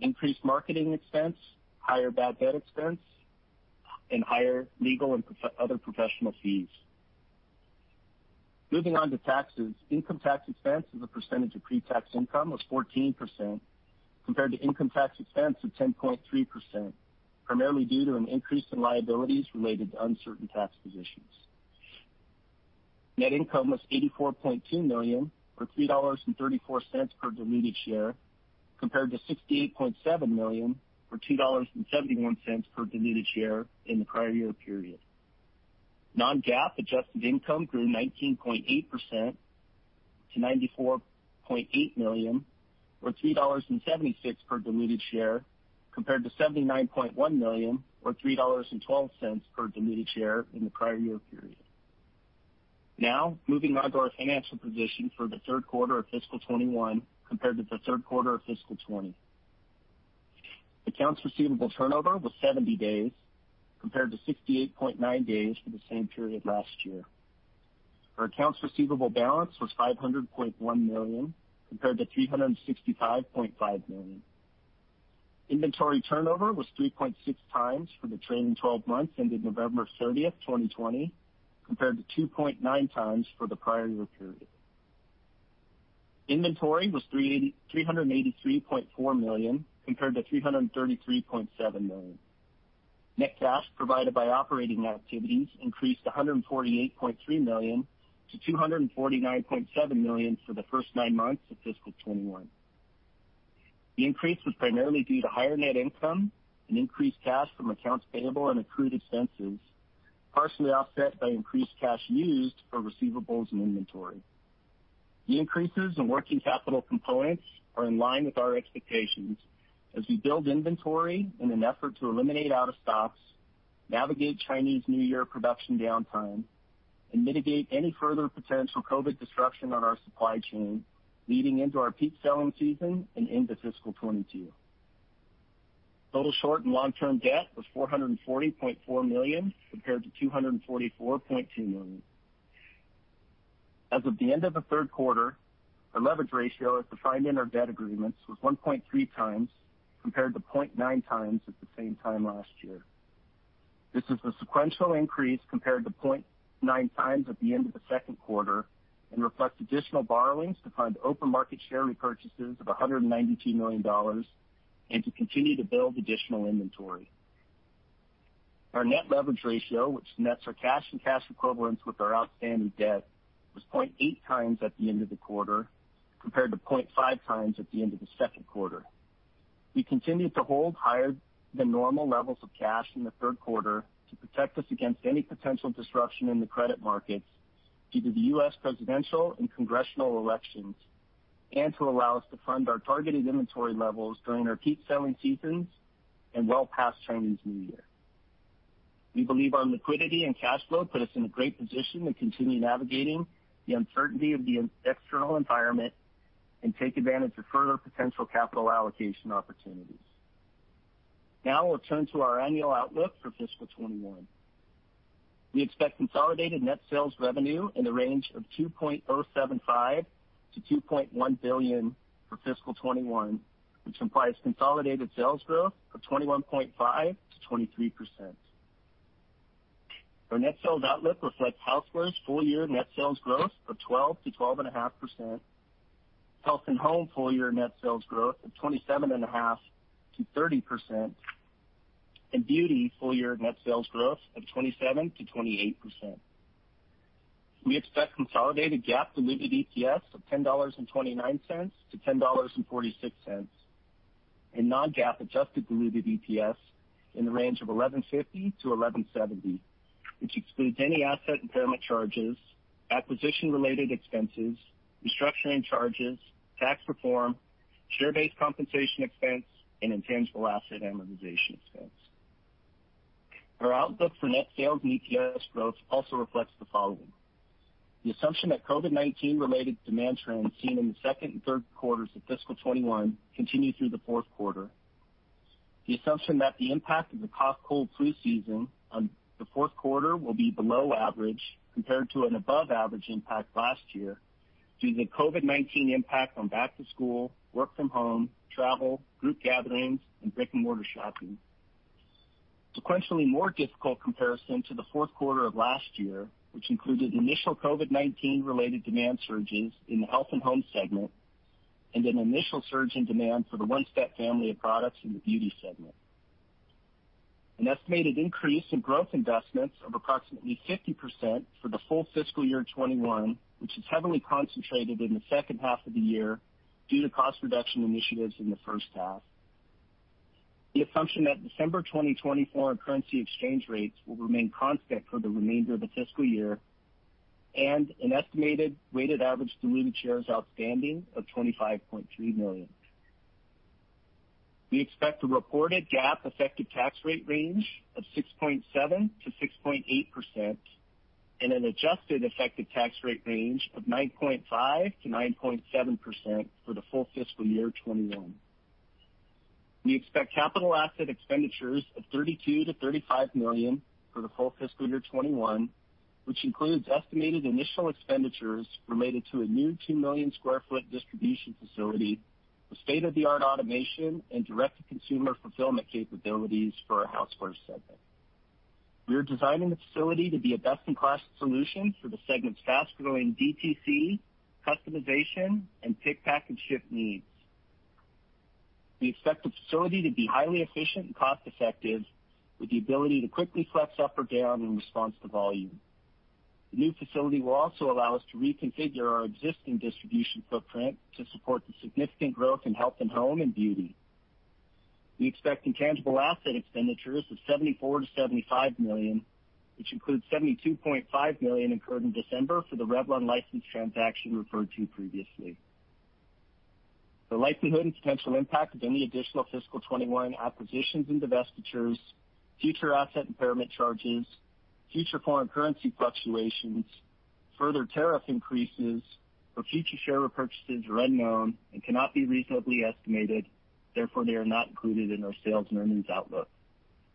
increased marketing expense, higher bad debt expense, and higher legal and other professional fees. Moving on to taxes, income tax expense as a percentage of pre-tax income was 14%, compared to income tax expense of 10.3%, primarily due to an increase in liabilities related to uncertain tax positions. Net income was $84.2 million, or $3.34 per diluted share, compared to $68.7 million, or $2.71 per diluted share in the prior year period. Non-GAAP adjusted income grew 19.8% to $94.8 million, or $3.76 per diluted share, compared to $79.1 million, or $3.12 per diluted share in the prior year period. Now, moving on to our financial position for the third quarter of fiscal 2021 compared to the third quarter of fiscal 2020. Accounts receivable turnover was 70 days, compared to 68.9 days for the same period last year. Our accounts receivable balance was $500.1 million, compared to $365.5 million. Inventory turnover was 3.6x for the trailing 12 months ending November 30th, 2020, compared to 2.9x for the prior year period. Inventory was $383.4 million, compared to $333.7 million. Net cash provided by operating activities increased $148.3 million to $249.7 million for the first nine months of fiscal 2021. The increase was primarily due to higher net income and increased cash from accounts payable and accrued expenses, partially offset by increased cash used for receivables and inventory. The increases in working capital components are in line with our expectations as we build inventory in an effort to eliminate out of stocks, navigate Chinese New Year production downtime, and mitigate any further potential COVID disruption on our supply chain leading into our peak selling season and into fiscal 2022. Total short and long-term debt was $440.4 million, compared to $244.2 million. As of the end of the third quarter, our leverage ratio as defined in our debt agreements was 1.3x, compared to 0.9x at the same time last year. This is a sequential increase compared to 0.9x at the end of the second quarter and reflects additional borrowings to fund open market share repurchases of $192 million and to continue to build additional inventory. Our net leverage ratio, which nets our cash and cash equivalents with our outstanding debt, was 0.8x at the end of the quarter, compared to 0.5x at the end of the second quarter. We continued to hold higher than normal levels of cash in the third quarter to protect us against any potential disruption in the credit markets due to the U.S. presidential and congressional elections and to allow us to fund our targeted inventory levels during our peak selling seasons and well past Chinese New Year. We believe our liquidity and cash flow put us in a great position to continue navigating the uncertainty of the external environment and take advantage of further potential capital allocation opportunities. Now we'll turn to our annual outlook for fiscal 2021. We expect consolidated net sales revenue in the range of $2.075 billion-$2.1 billion for fiscal 2021, which implies consolidated sales growth of 21.5%-23%. Our net sales outlook reflects Housewares full year net sales growth of 12%-12.5%, Health and Home full year net sales growth of 27.5%-30%, and Beauty full year net sales growth of 27%-28%. We expect consolidated GAAP diluted EPS of $10.29-$10.46, and non-GAAP adjusted diluted EPS in the range of $11.50-$11.70, which excludes any asset impairment charges, acquisition-related expenses, restructuring charges, tax reform, share-based compensation expense, and intangible asset amortization expense. Our outlook for net sales and EPS growth also reflects the following. The assumption that COVID-19 related demand trends seen in the second and third quarters of fiscal 2021 continue through the fourth quarter. The assumption that the impact of the cough-cold-flu season on the fourth quarter will be below average compared to an above average impact last year due to the COVID-19 impact on back to school, work from home, travel, group gatherings, and brick and mortar shopping. Sequentially more difficult comparison to the fourth quarter of last year, which included initial COVID-19 related demand surges in the Health and Home segment and an initial surge in demand for the One-Step family of products in the Beauty segment. An estimated increase in growth investments of approximately 50% for the full fiscal year 2021, which is heavily concentrated in the second half of the year due to cost reduction initiatives in the first half. The assumption that December 2020 foreign currency exchange rates will remain constant for the remainder of the fiscal year, and an estimated weighted average diluted shares outstanding of 25.3 million. We expect a reported GAAP effective tax rate range of 6.7%-6.8% and an adjusted effective tax rate range of 9.5%-9.7% for the full fiscal year 2021. We expect capital asset expenditures of $32 million-$35 million for the full fiscal year 2021, which includes estimated initial expenditures related to a new two-million-square-foot distribution facility with state-of-the-art automation and direct-to-consumer fulfillment capabilities for our Housewares Segment. We are designing the facility to be a best-in-class solution for the segment's fast-growing DTC, customization, and pick, pack, and ship needs. We expect the facility to be highly efficient and cost-effective, with the ability to quickly flex up or down in response to volume. The new facility will also allow us to reconfigure our existing distribution footprint to support the significant growth in Health & Home and Beauty. We expect intangible asset expenditures of $74 million-$75 million, which includes $72.5 million incurred in December for the Revlon license transaction referred to previously. The likelihood and potential impact of any additional fiscal 2021 acquisitions and divestitures, future asset impairment charges, future foreign currency fluctuations, further tariff increases, or future share repurchases are unknown and cannot be reasonably estimated; therefore, they are not included in our sales and earnings outlook.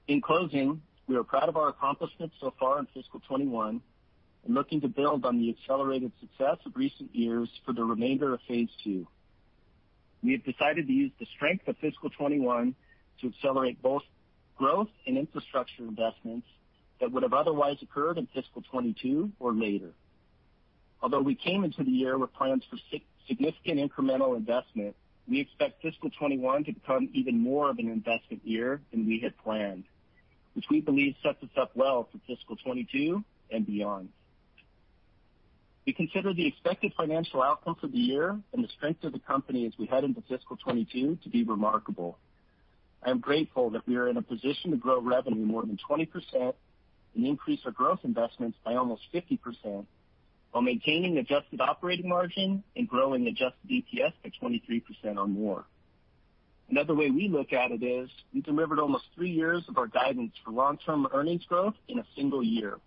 In closing, we are proud of our accomplishments so far in fiscal 2021 and looking to build on the accelerated success of recent years for the remainder of Phase 2. We have decided to use the strength of fiscal 2021 to accelerate both growth and infrastructure investments that would have otherwise occurred in fiscal 2022 or later. Although we came into the year with plans for significant incremental investment, we expect fiscal 2021 to become even more of an investment year than we had planned, which we believe sets us up well for fiscal 2022 and beyond. We consider the expected financial outcomes of the year and the strength of the company as we head into fiscal 2022 to be remarkable. I am grateful that we are in a position to grow revenue more than 20% and increase our growth investments by almost 50% while maintaining adjusted operating margin and growing adjusted EPS by 23% or more. Another way we look at it is we delivered almost three years of our guidance for long-term earnings growth in a single year,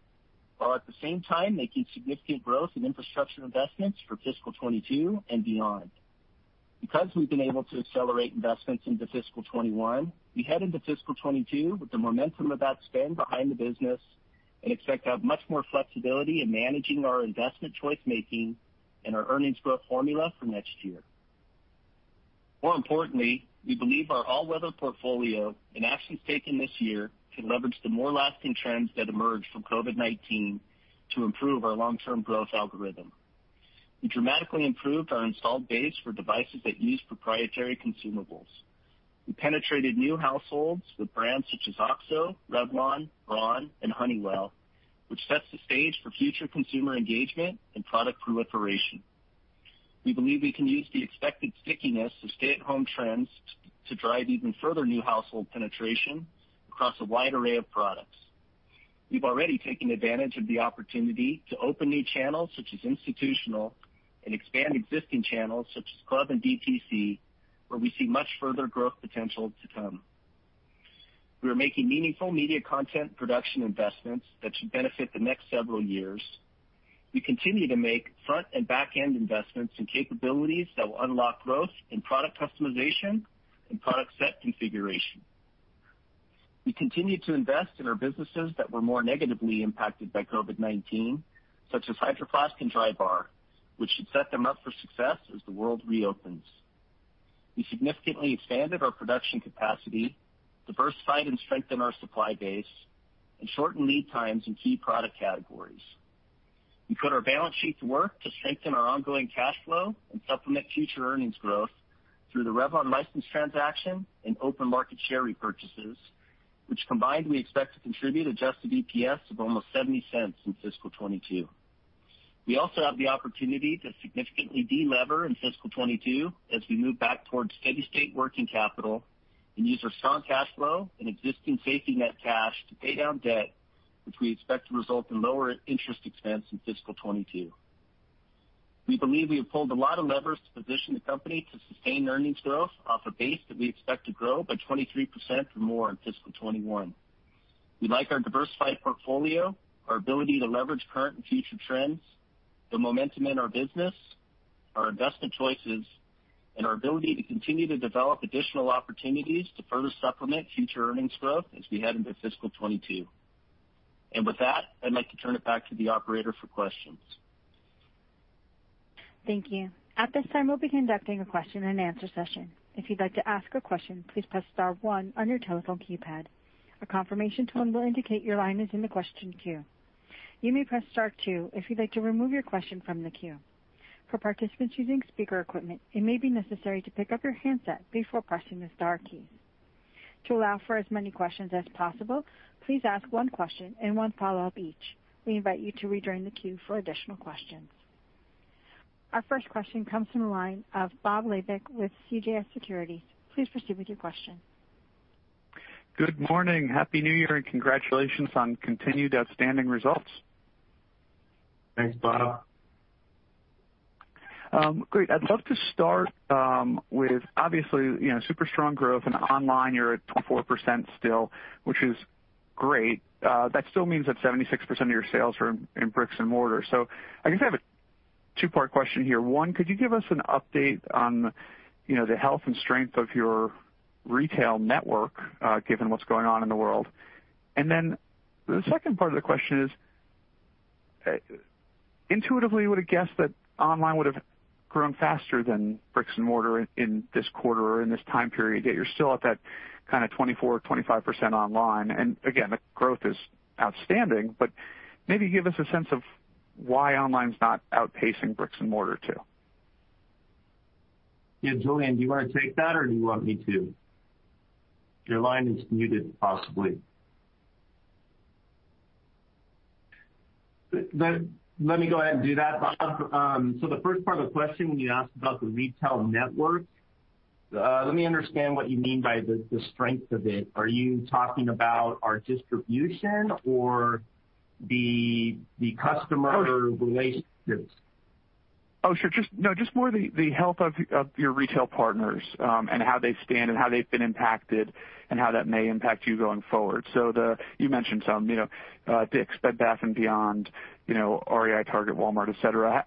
while at the same time making significant growth in infrastructure investments for fiscal 2022 and beyond. Because we've been able to accelerate investments into fiscal 2021, we head into fiscal 2022 with the momentum of that spend behind the business and expect to have much more flexibility in managing our investment choice making and our earnings growth formula for next year. More importantly, we believe our all-weather portfolio and actions taken this year can leverage the more lasting trends that emerged from COVID-19 to improve our long-term growth algorithm. We dramatically improved our installed base for devices that use proprietary consumables. We penetrated new households with brands such as OXO, Revlon, Braun, and Honeywell, which sets the stage for future consumer engagement and product proliferation. We believe we can use the expected stickiness of stay-at-home trends to drive even further new household penetration across a wide array of products. We've already taken advantage of the opportunity to open new channels, such as institutional, and expand existing channels, such as club and DTC, where we see much further growth potential to come. We are making meaningful media content production investments that should benefit the next several years. We continue to make front and back-end investments in capabilities that will unlock growth in product customization and product set configuration. We continue to invest in our businesses that were more negatively impacted by COVID-19, such as Hydro Flask and Drybar, which should set them up for success as the world reopens. We significantly expanded our production capacity, diversified and strengthened our supply base, and shortened lead times in key product categories. We put our balance sheet to work to strengthen our ongoing cash flow and supplement future earnings growth through the Revlon license transaction and open market share repurchases, which combined we expect to contribute adjusted EPS of almost $0.70 in fiscal 2022. We also have the opportunity to significantly de-lever in fiscal 2022 as we move back towards steady-state working capital and use our strong cash flow and existing safety net cash to pay down debt, which we expect to result in lower interest expense in fiscal 2022. We believe we have pulled a lot of levers to position the company to sustain earnings growth off a base that we expect to grow by 23% or more in fiscal 2021. We like our diversified portfolio, our ability to leverage current and future trends, the momentum in our business, our investment choices, and our ability to continue to develop additional opportunities to further supplement future earnings growth as we head into fiscal 2022. With that, I'd like to turn it back to the operator for questions. Thank you. At this time, we'll be conducting a question and answer session. If you would like to ask a question, please press star one on your telephone keypad. A confirmation tone will indicate your line is in the question queue. You may press star two if you would like to remove your question from the queue. For participants using speaker equipment, it may be necessary to pick up your handset before pressing the star keys. To ask for many questions as possible, please ask one question and one follow up each. We invite you return to queue for additional question. Our first question comes from the line of Bob Labick with CJS Securities. Please proceed with your question. Good morning. Happy New Year. Congratulations on continued outstanding results. Thanks, Bob Great. I'd love to start with, obviously, super strong growth. Online you're at 24% still, which is great. That still means that 76% of your sales are in bricks and mortar. I guess I have a two-part question here. One, could you give us an update on the health and strength of your retail network, given what's going on in the world? The second part of the question is, intuitively you would've guessed that online would've grown faster than bricks and mortar in this quarter or in this time period, yet you're still at that kind of 24%-25% online. Again, the growth is outstanding, maybe give us a sense of why online's not outpacing bricks and mortar too. Yeah. Julien, do you want to take that or do you want me to? Your line is muted, possibly. Let me go ahead and do that, Bob. The first part of the question, when you asked about the retail network, let me understand what you mean by the strength of it. Are you talking about our distribution or the customer relationships? Oh, sure. No, just more the health of your retail partners, and how they stand and how they've been impacted and how that may impact you going forward. You mentioned some, Dick's, Bed Bath & Beyond, REI, Target, Walmart, et cetera.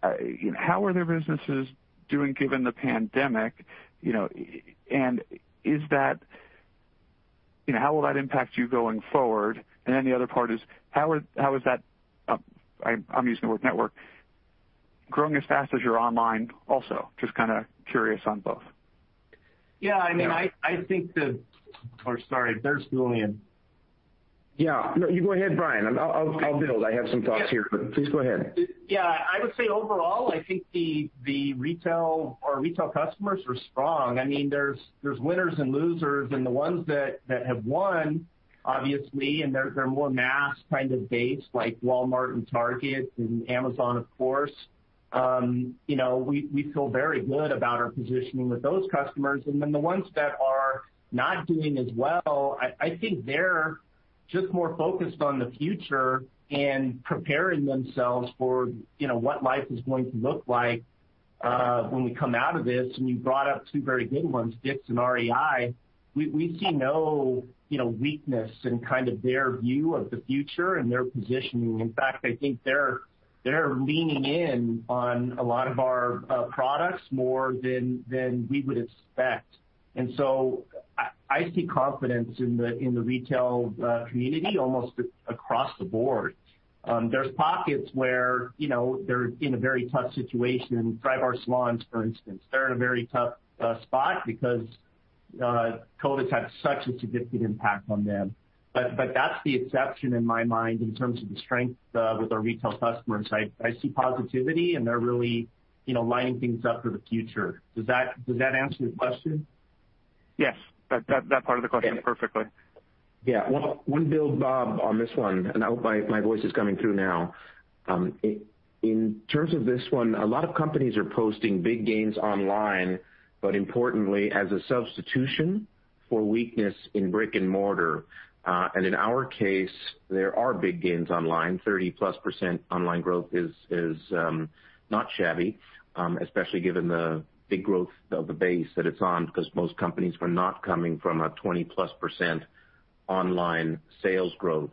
How are their businesses doing given the pandemic? How will that impact you going forward? The other part is, how is that, I'm using the word network, growing as fast as your online also? Just kind of curious on both. Yeah. I mean, sorry, there's Julien. Yeah. No, you go ahead, Brian. I'll build. I have some thoughts here, but please go ahead. I would say overall, I think our retail customers are strong. There's winners and losers, the ones that have won, obviously, and they're more mass kind of based, like Walmart and Target and Amazon, of course. We feel very good about our positioning with those customers. The ones that are not doing as well, I think they're just more focused on the future and preparing themselves for what life is going to look like when we come out of this, and you brought up two very good ones, Dick's and REI. We see no weakness in kind of their view of the future and their positioning. In fact, I think they're leaning in on a lot of our products more than we would expect. I see confidence in the retail community almost across the board. There's pockets where they're in a very tough situation. Drybar salons, for instance. They're in a very tough spot because COVID's had such a significant impact on them. That's the exception in my mind, in terms of the strength with our retail customers. I see positivity and they're really lining things up for the future. Does that answer your question? Yes. That part of the question perfectly. Yeah. One build, Bob, on this one, and I hope my voice is coming through now. In terms of this one, a lot of companies are posting big gains online, but importantly, as a substitution for weakness in brick and mortar. In our case, there are big gains online. 30%+ online growth is not shabby, especially given the big growth of the base that it's on, because most companies were not coming from a 20%+ online sales growth.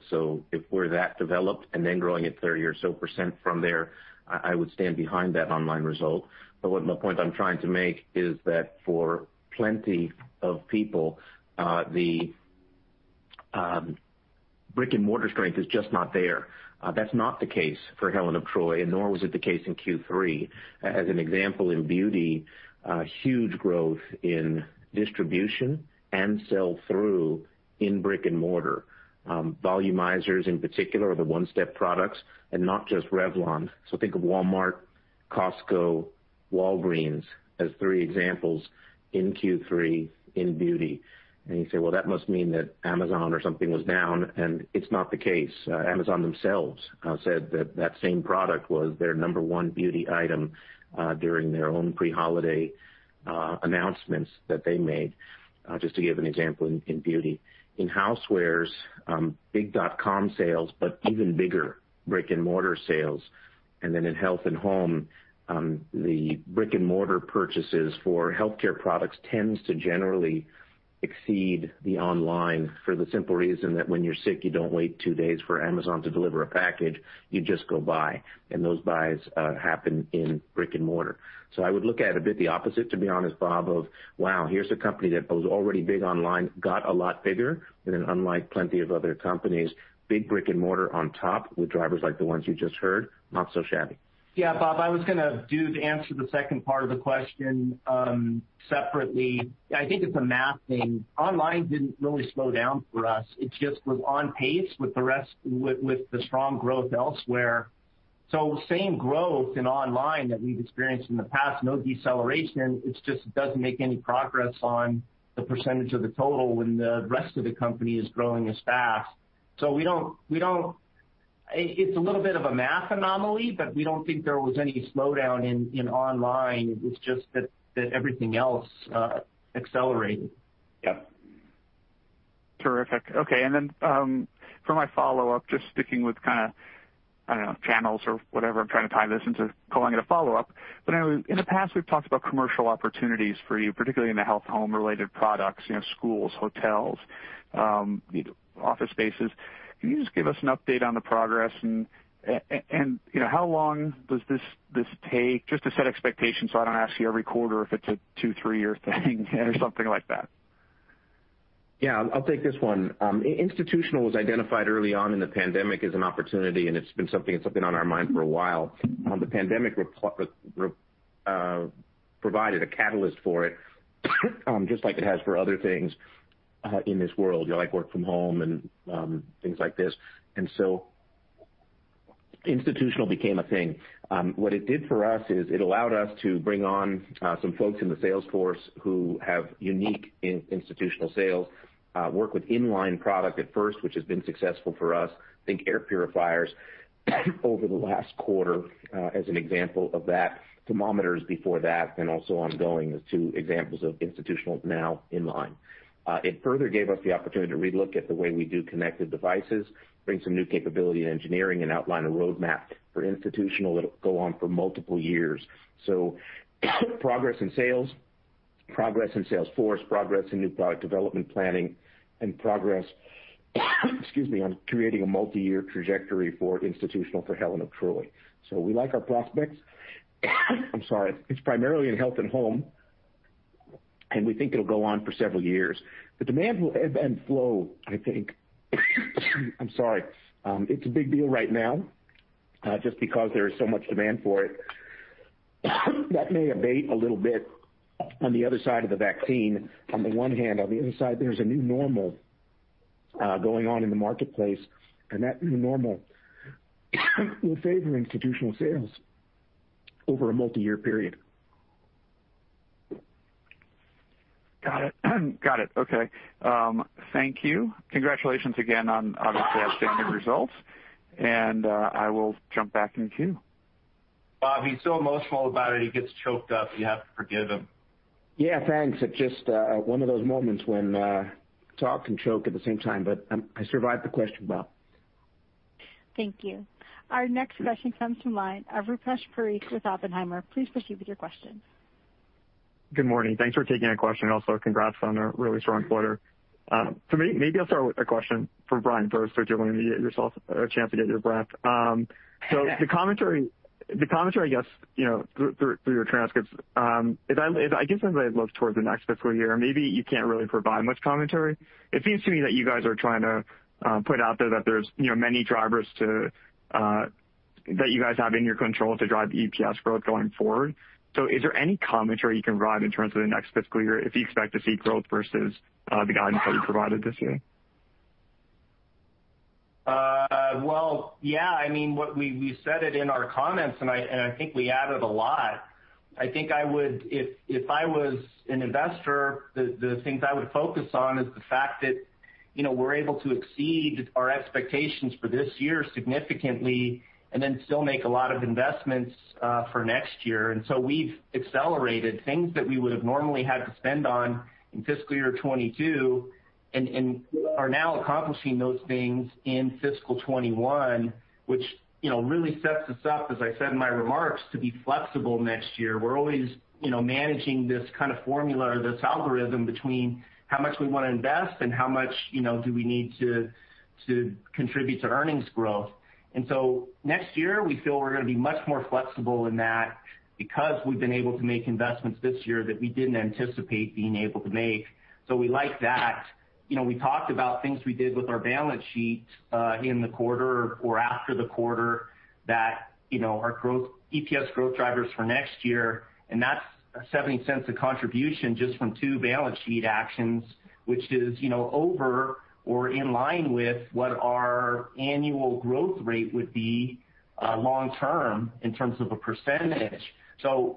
If we're that developed and then growing at 30 or so % from there, I would stand behind that online result. The point I'm trying to make is that for plenty of people, the brick and mortar strength is just not there. That's not the case for Helen of Troy, and nor was it the case in Q3. As an example, in beauty, huge growth in distribution and sell through in brick and mortar. Volumizers in particular, are the One-Step products, and not just Revlon. Think of Walmart, Costco, Walgreens as three examples in Q3 in beauty. You say, "Well, that must mean that Amazon or something was down," and it's not the case. Amazon themselves said that that same product was their number one beauty item during their own pre-holiday announcements that they made, just to give an example in beauty. In housewares, big dot com sales, but even bigger brick and mortar sales. In health and home, the brick and mortar purchases for healthcare products tends to generally exceed the online for the simple reason that when you're sick, you don't wait two days for Amazon to deliver a package, you just go buy, and those buys happen in brick and mortar. I would look at it a bit the opposite, to be honest, Bob, of, wow, here's a company that was already big online, got a lot bigger, and then unlike plenty of other companies, big brick and mortar on top with drivers like the ones you just heard, not so shabby. Bob, I was going to do to answer the second part of the question separately. I think it's a math thing. Online didn't really slow down for us. It just was on pace with the strong growth elsewhere. Same growth in online that we've experienced in the past, no deceleration. It just doesn't make any progress on the percentage of the total when the rest of the company is growing as fast. It's a little bit of a math anomaly, but we don't think there was any slowdown in online. It's just that everything else accelerated. Yep. Terrific. Okay. For my follow-up, just sticking with kind of, I don't know, channels or whatever, I'm trying to tie this into calling it a follow-up. In the past, we've talked about commercial opportunities for you, particularly in the health home related products, schools, hotels, office spaces. Can you just give us an update on the progress and how long does this take? Just to set expectations so I don't ask you every quarter if it's a two, three-year thing or something like that. Yeah, I'll take this one. Institutional was identified early on in the pandemic as an opportunity, and it's been something that's been on our mind for a while. The pandemic provided a catalyst for it, just like it has for other things in this world, like work from home and things like this. Institutional became a thing. What it did for us is it allowed us to bring on some folks in the sales force who have unique institutional sales, work with in-line product at first, which has been successful for us. Think air purifiers over the last quarter as an example of that, thermometers before that, and also ongoing as two examples of institutional now in line. It further gave us the opportunity to relook at the way we do connected devices, bring some new capability in engineering, and outline a roadmap for institutional that'll go on for multiple years. Progress in sales, progress in sales force, progress in new product development planning, and progress, excuse me, on creating a multi-year trajectory for institutional for Helen of Troy. We like our prospects. I'm sorry. It's primarily in health and home, and we think it'll go on for several years. The demand will ebb and flow, I think. I'm sorry. It's a big deal right now, just because there is so much demand for it. That may abate a little bit on the other side of the vaccine on the one hand. On the other side, there's a new normal going on in the marketplace. That new normal will favor institutional sales over a multi-year period. Got it. Got it. Okay. Thank you. Congratulations again on outstanding results. I will jump back in queue. Bob, he's so emotional about it, he gets choked up. You have to forgive him. Yeah, thanks. It's just one of those moments when talk and choke at the same time. I survived the question, Bob. Thank you. Our next question comes from line of Rupesh Parikh with Oppenheimer. Please proceed with your question. Good morning. Thanks for taking my question. Also, congrats on a really strong quarter. Maybe I'll start with a question for Brian first, so it'll give yourself a chance to get your breath. The commentary, I guess, through your transcripts, as I give somebody a look toward the next fiscal year, maybe you can't really provide much commentary. It seems to me that you guys are trying to put out there that there's many drivers that you guys have in your control to drive EPS growth going forward. Is there any commentary you can provide in terms of the next fiscal year, if you expect to see growth versus the guidance that you provided this year? Well, yeah, we said it in our comments, and I think we added a lot. I think if I was an investor, the things I would focus on is the fact that we're able to exceed our expectations for this year significantly and then still make a lot of investments for next year. We've accelerated things that we would've normally had to spend on in fiscal year 2022, and are now accomplishing those things in fiscal 2021, which really sets us up, as I said in my remarks, to be flexible next year. We're always managing this kind of formula or this algorithm between how much we want to invest and how much do we need to contribute to earnings growth. Next year, we feel we're going to be much more flexible in that because we've been able to make investments this year that we didn't anticipate being able to make. We like that. We talked about things we did with our balance sheet in the quarter or after the quarter that are EPS growth drivers for next year, and that's a $0.70 contribution just from two balance sheet actions, which is over or in line with what our annual growth rate would be long term in terms of a percentage.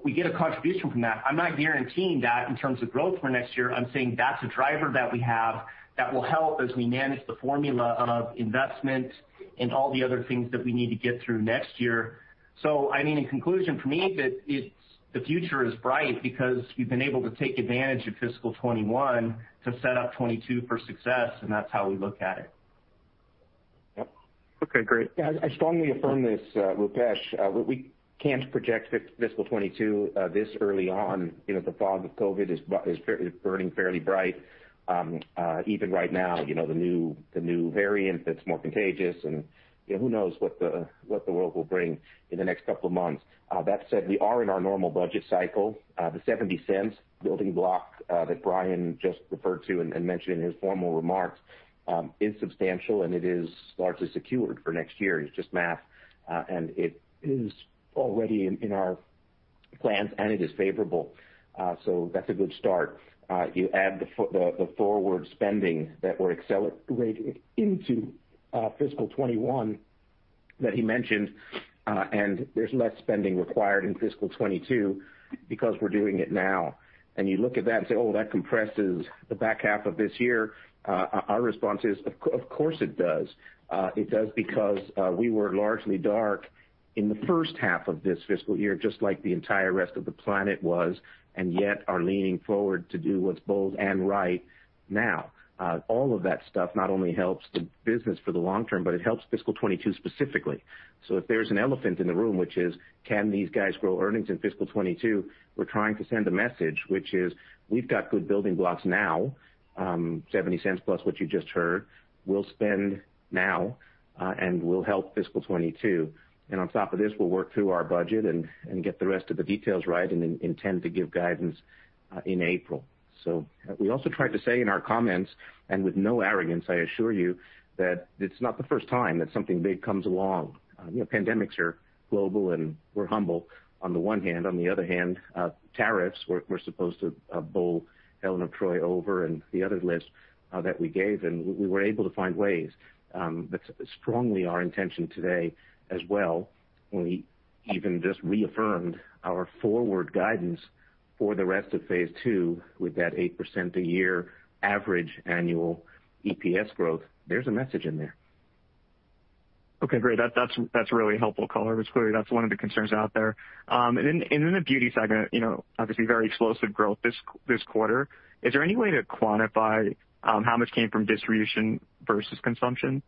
We get a contribution from that. I'm not guaranteeing that in terms of growth for next year. I'm saying that's a driver that we have that will help as we manage the formula of investment and all the other things that we need to get through next year. In conclusion for me, the future is bright because we've been able to take advantage of fiscal 2021 to set up 2022 for success, and that's how we look at it. Yep. Okay, great. I strongly affirm this, Rupesh. We can't project fiscal 2022 this early on. The fog of COVID is burning fairly bright. Even right now, the new variant that's more contagious, and who knows what the world will bring in the next couple of months. That said, we are in our normal budget cycle. The $0.70 building block that Brian just referred to and mentioned in his formal remarks, is substantial, and it is largely secured for next year. It's just math. It is already in our plans, and it is favorable. That's a good start. You add the forward spending that we're accelerating into fiscal 2021 that he mentioned, and there's less spending required in fiscal 2022 because we're doing it now. You look at that and say, "Oh, well, that compresses the back half of this year." Our response is, of course it does. It does because we were largely dark in the first half of this fiscal year, just like the entire rest of the planet was, and yet are leaning forward to do what's bold and right now. All of that stuff not only helps the business for the long term, but it helps fiscal 2022 specifically. If there's an elephant in the room, which is can these guys grow earnings in fiscal 2022? We're trying to send a message, which is we've got good building blocks now, $0.70 plus what you just heard. We'll spend now, and we'll help fiscal 2022. On top of this, we'll work through our budget and get the rest of the details right and intend to give guidance in April. We also tried to say in our comments, with no arrogance, I assure you that it's not the first time that something big comes along. Pandemics are global. We're humble on the one hand. Tariffs were supposed to bowl Helen of Troy over and the other list that we gave. We were able to find ways. That's strongly our intention today as well. We even just reaffirmed our forward guidance for the rest of phase II with that 8% a year average annual EPS growth. There's a message in there. Okay, great. That's really helpful color, because clearly that's one of the concerns out there. In the beauty segment, obviously very explosive growth this quarter. Is there any way to quantify how much came from distribution versus consumption?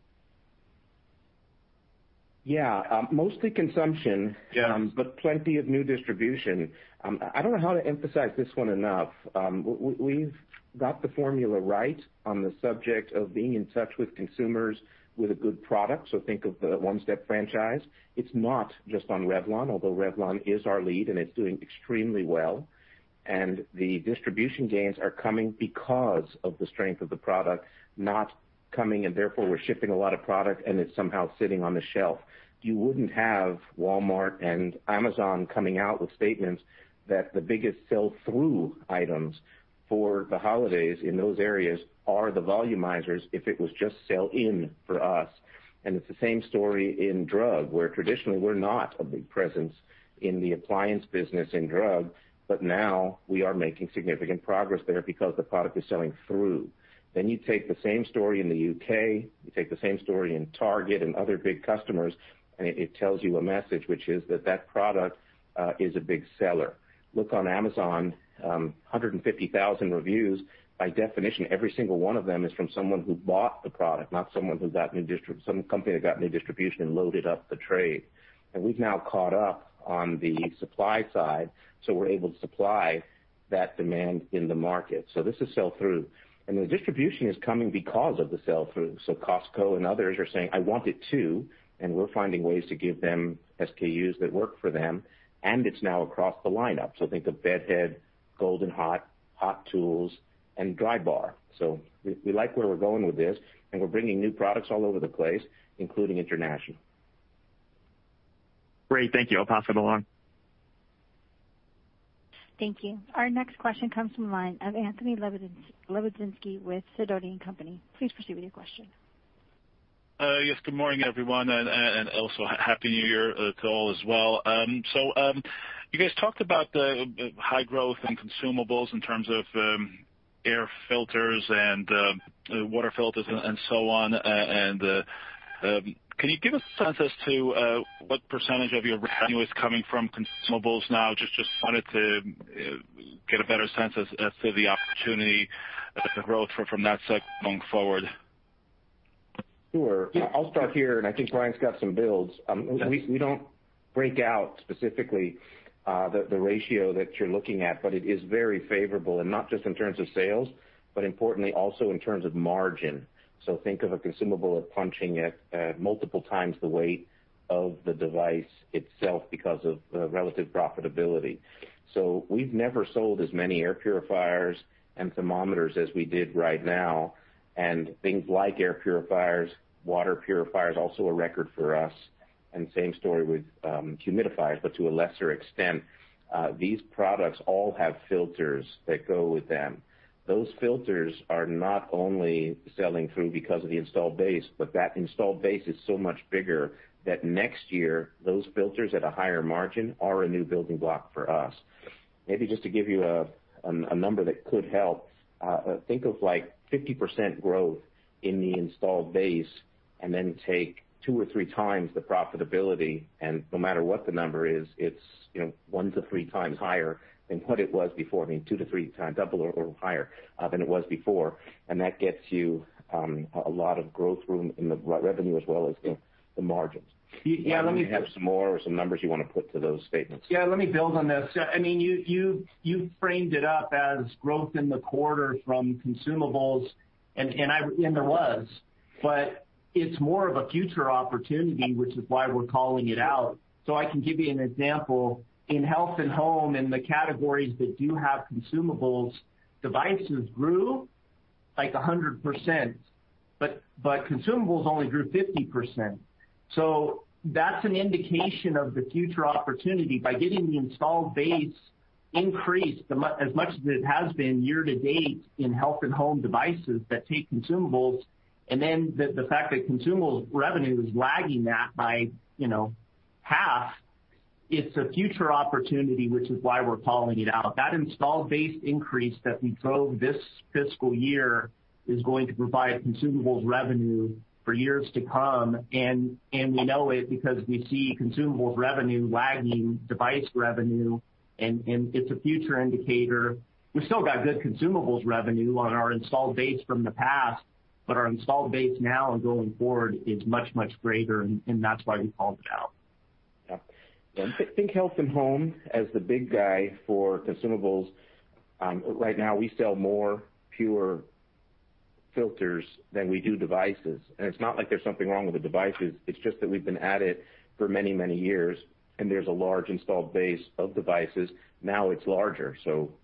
Yeah. Mostly consumption. Yeah Plenty of new distribution. I don't know how to emphasize this one enough. We've got the formula right on the subject of being in touch with consumers with a good product. Think of the One-Step franchise. It's not just on Revlon, although Revlon is our lead. It's doing extremely well. The distribution gains are coming because of the strength of the product, not coming and therefore we're shipping a lot of product and it's somehow sitting on the shelf. You wouldn't have Walmart and Amazon coming out with statements that the biggest sell-through items for the holidays in those areas are the Volumizers if it was just sell-in for us. It's the same story in drug, where traditionally we're not a big presence in the appliance business in drug, but now we are making significant progress there because the product is selling through. You take the same story in the U.K., you take the same story in Target and other big customers, and it tells you a message, which is that that product is a big seller. Look on Amazon, 150,000 reviews. By definition, every single one of them is from someone who bought the product, not some company that got new distribution and loaded up the trade. We've now caught up on the supply side, so we're able to supply that demand in the market. This is sell-through. The distribution is coming because of the sell-through. Costco and others are saying, "I want it, too," and we're finding ways to give them SKUs that work for them, and it's now across the lineup. Think of Bed Head, Gold 'N Hot, Hot Tools, and Drybar. We like where we're going with this, and we're bringing new products all over the place, including international. Great. Thank you. I'll pass it along. Thank you. Our next question comes from the line of Anthony Lebiedzinski with Sidoti & Company. Please proceed with your question. Yes, good morning, everyone, and also Happy New Year to all as well. You guys talked about the high growth in consumables in terms of air filters and water filters and so on. Can you give us a sense as to what % of your revenue is coming from consumables now? Just wanted to get a better sense as to the opportunity, the growth from that sector going forward. Sure. I'll start here, and I think Brian's got some builds. We don't break out specifically the ratio that you're looking at, but it is very favorable, and not just in terms of sales, but importantly also in terms of margin. Think of a consumable of punching at multiple times the weight of the device itself because of the relative profitability. We've never sold as many air purifiers and thermometers as we did right now, and things like air purifiers, water purifiers, also a record for us, and same story with humidifiers, but to a lesser extent. These products all have filters that go with them. Those filters are not only selling through because of the installed base, but that installed base is so much bigger that next year, those filters at a higher margin are a new building block for us. Maybe just to give you a number that could help, think of 50% growth in the installed base and then take two or three times the profitability, and no matter what the number is, it's one to three times higher than what it was before. I mean, two to three times, double or higher than it was before, and that gets you a lot of growth room in the revenue as well as the margins. Brian, do you have some more or some numbers you want to put to those statements? Yeah, let me build on this. You framed it up as growth in the quarter from consumables, and there was, but it's more of a future opportunity, which is why we're calling it out. I can give you an example. In health and home, in the categories that do have consumables, devices grew like 100%, but consumables only grew 50%. That's an indication of the future opportunity by getting the installed base increased as much as it has been year-to-date in health and home devices that take consumables, and then the fact that consumables revenue is lagging that by half, it's a future opportunity, which is why we're calling it out. That installed base increase that we drove this fiscal year is going to provide consumables revenue for years to come. We know it because we see consumables revenue lagging device revenue, and it's a future indicator. We've still got good consumables revenue on our installed base from the past, but our installed base now and going forward is much, much greater, and that's why we called it out. Yeah. Think health and home as the big guy for consumables. Right now, we sell more PUR filters than we do devices. It's not like there's something wrong with the devices, it's just that we've been at it for many, many years and there's a large installed base of devices. Now it's larger.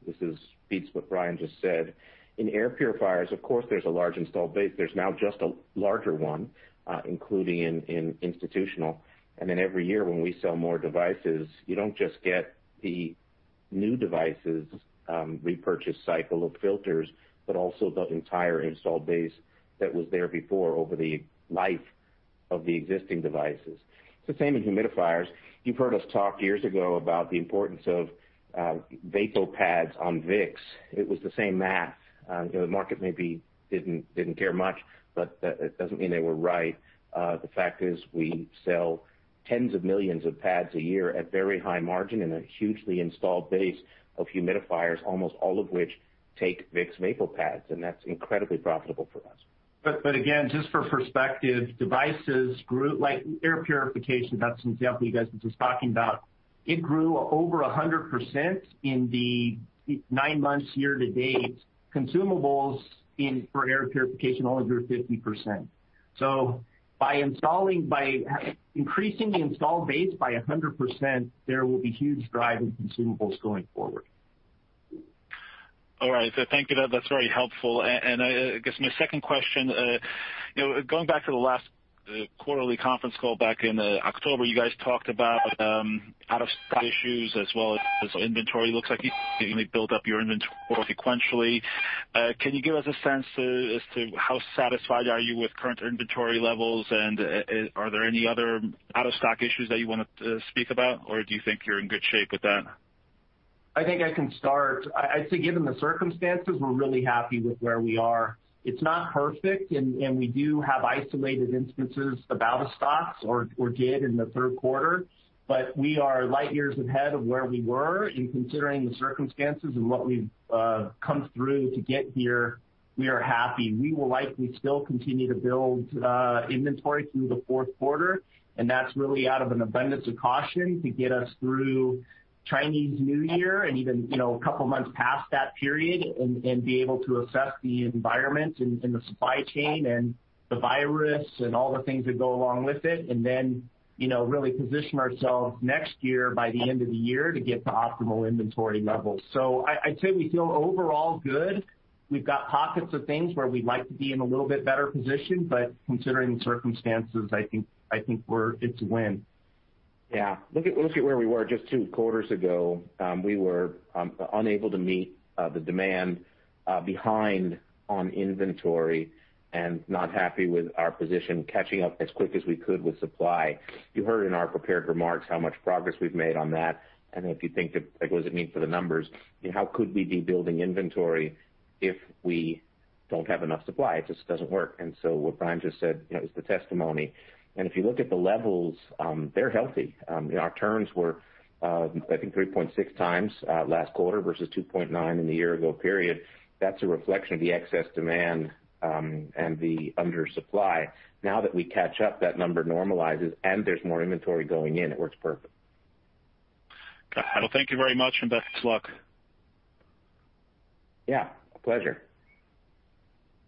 This speaks to what Brian just said. In air purifiers, of course, there's a large installed base. There's now just a larger one, including in institutional. Every year when we sell more devices, you don't just get the new devices' repurchase cycle of filters, but also the entire installed base that was there before over the life of the existing devices. It's the same in humidifiers. You've heard us talk years ago about the importance of VapoPads on Vicks. It was the same math. The market maybe didn't care much. That doesn't mean they were right. The fact is, we sell tens of millions of pads a year at very high margin in a hugely installed base of humidifiers, almost all of which take Vicks VapoPads, and that's incredibly profitable for us. Again, just for perspective, devices grew, like air purification, that's an example you guys were just talking about. It grew over 100% in the nine months year-to-date. Consumables for air purification only grew 50%. By increasing the installed base by 100%, there will be huge drive in consumables going forward. All right. Thank you, that's very helpful. I guess my second question, going back to the last quarterly conference call back in October, you guys talked about out-of-stock issues as well as inventory. Looks like you've really built up your inventory sequentially. Can you give us a sense as to how satisfied are you with current inventory levels, and are there any other out-of-stock issues that you want to speak about, or do you think you're in good shape with that? I think I can start. I'd say, given the circumstances, we're really happy with where we are. It's not perfect. We do have isolated instances of out-of-stocks, or did in the third quarter. We are light years ahead of where we were in considering the circumstances and what we've come through to get here. We are happy. We will likely still continue to build inventory through the fourth quarter. That's really out of an abundance of caution to get us through Chinese New Year and even a couple of months past that period. Be able to assess the environment and the supply chain and the virus and all the things that go along with it. Really position ourselves next year by the end of the year to get to optimal inventory levels. I'd say we feel overall good. We've got pockets of things where we'd like to be in a little bit better position, but considering the circumstances, I think it's a win. Yeah. Look at where we were just two quarters ago. We were unable to meet the demand, behind on inventory, and not happy with our position, catching up as quick as we could with supply. You heard in our prepared remarks how much progress we've made on that, and if you think of, like, what does it mean for the numbers? How could we be building inventory if we don't have enough supply? It just doesn't work. What Brian just said is the testimony. If you look at the levels, they're healthy. Our turns were, I think, 3.6x last quarter versus 2.9 in the year-ago period. That's a reflection of the excess demand and the under supply. Now that we catch up, that number normalizes and there's more inventory going in. It works perfect. Got it. Thank you very much, and best of luck. Yeah. Pleasure.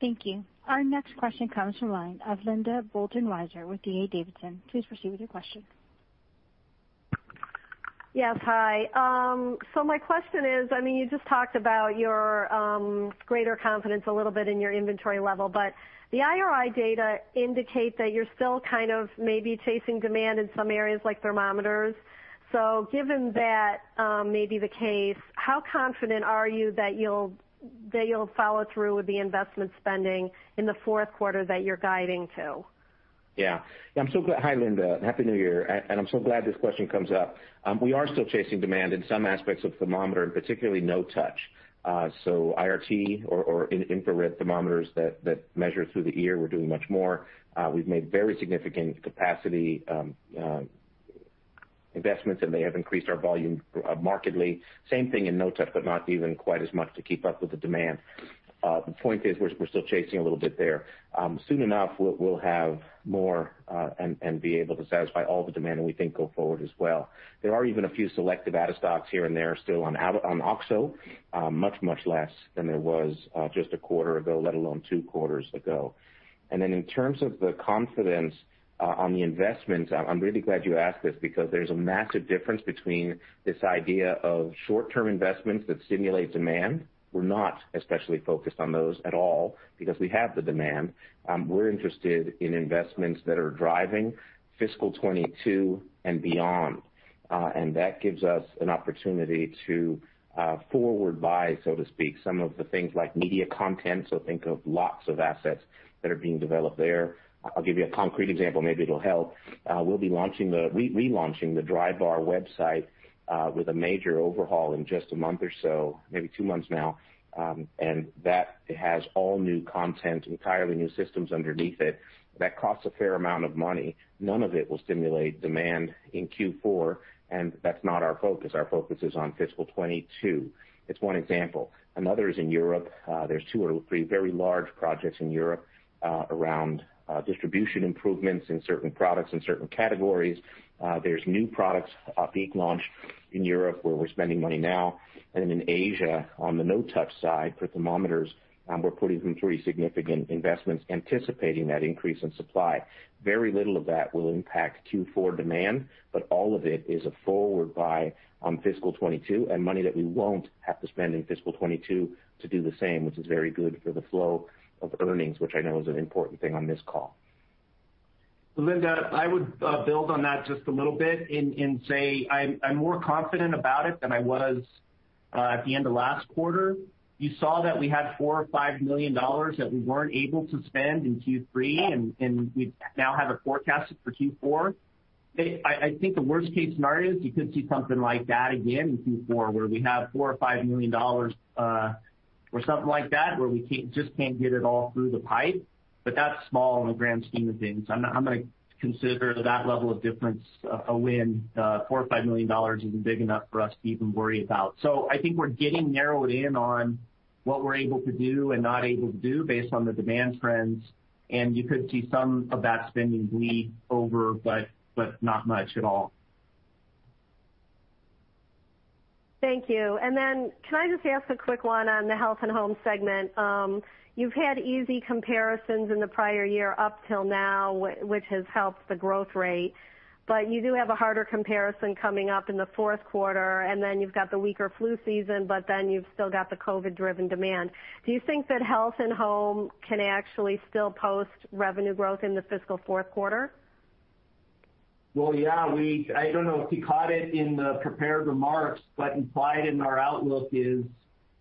Thank you. Our next question comes from the line of Linda Bolton-Weiser with D.A. Davidson. Please proceed with your question. Yes. Hi. My question is, you just talked about your greater confidence a little bit in your inventory level, but the IRI data indicate that you're still kind of maybe chasing demand in some areas like thermometers. Given that may be the case, how confident are you that you'll follow through with the investment spending in the fourth quarter that you're guiding to? Yeah. Hi, Linda. Happy New Year. I'm so glad this question comes up. We are still chasing demand in some aspects of thermometer, particularly no touch. IRT or infrared thermometers that measure through the ear, we're doing much more. We've made very significant capacity investments. They have increased our volume markedly. Same thing in no touch, not even quite as much to keep up with the demand. The point is we're still chasing a little bit there. Soon enough, we'll have more and be able to satisfy all the demand that we think go forward as well. There are even a few selective out of stocks here and there still on OXO, much less than there was just a quarter ago, let alone two quarters ago. Then in terms of the confidence on the investments, I'm really glad you asked this because there's a massive difference between this idea of short-term investments that stimulate demand. We're not especially focused on those at all because we have the demand. We're interested in investments that are driving fiscal 2022 and beyond. That gives us an opportunity to forward buy, so to speak, some of the things like media content. Think of lots of assets that are being developed there. I'll give you a concrete example, maybe it'll help. We'll be relaunching the Drybar website, with a major overhaul in just a month or so, maybe two months now. That has all new content, entirely new systems underneath it. That costs a fair amount of money. None of it will stimulate demand in Q4, and that's not our focus. Our focus is on fiscal 2022. It's one example. Another is in Europe. There's two or three very large projects in Europe, around distribution improvements in certain products and certain categories. There's new products being launched in Europe where we're spending money now. In Asia, on the no-touch side for thermometers, we're putting through pretty significant investments anticipating that increase in supply. Very little of that will impact Q4 demand, but all of it is a forward buy on fiscal 2022 and money that we won't have to spend in fiscal 2022 to do the same, which is very good for the flow of earnings, which I know is an important thing on this call. Linda, I would build on that just a little bit and say I'm more confident about it than I was at the end of last quarter. You saw that we had $4 million or $5 million that we weren't able to spend in Q3. We now have it forecasted for Q4. I think the worst-case scenario is you could see something like that again in Q4, where we have $4 million or $5 million, or something like that, where we just can't get it all through the pipe. That's small in the grand scheme of things. I'm going to consider that level of difference a win. $4 million or $5 million isn't big enough for us to even worry about. I think we're getting narrowed in on what we're able to do and not able to do based on the demand trends, and you could see some of that spending bleed over, but not much at all. Thank you. Can I just ask a quick one on the Health and Home segment? You've had easy comparisons in the prior year up till now, which has helped the growth rate, but you do have a harder comparison coming up in the fourth quarter, and then you've got the weaker flu season, but then you've still got the COVID-driven demand. Do you think that Health and Home can actually still post revenue growth in the fiscal fourth quarter? Yeah. I don't know if you caught it in the prepared remarks, but implied in our outlook is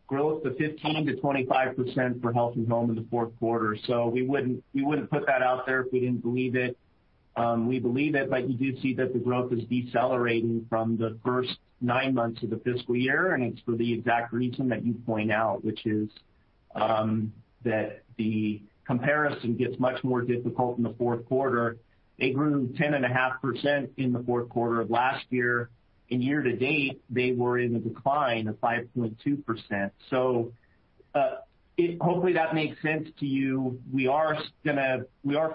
growth of 15%-25% for Health & Home in the fourth quarter. We wouldn't put that out there if we didn't believe it. We believe it, but you do see that the growth is decelerating from the first nine months of the fiscal year, and it's for the exact reason that you point out, which is that the comparison gets much more difficult in the fourth quarter. They grew 10.5% in the fourth quarter of last year. In year to date, they were in a decline of 5.2%. Hopefully, that makes sense to you. We are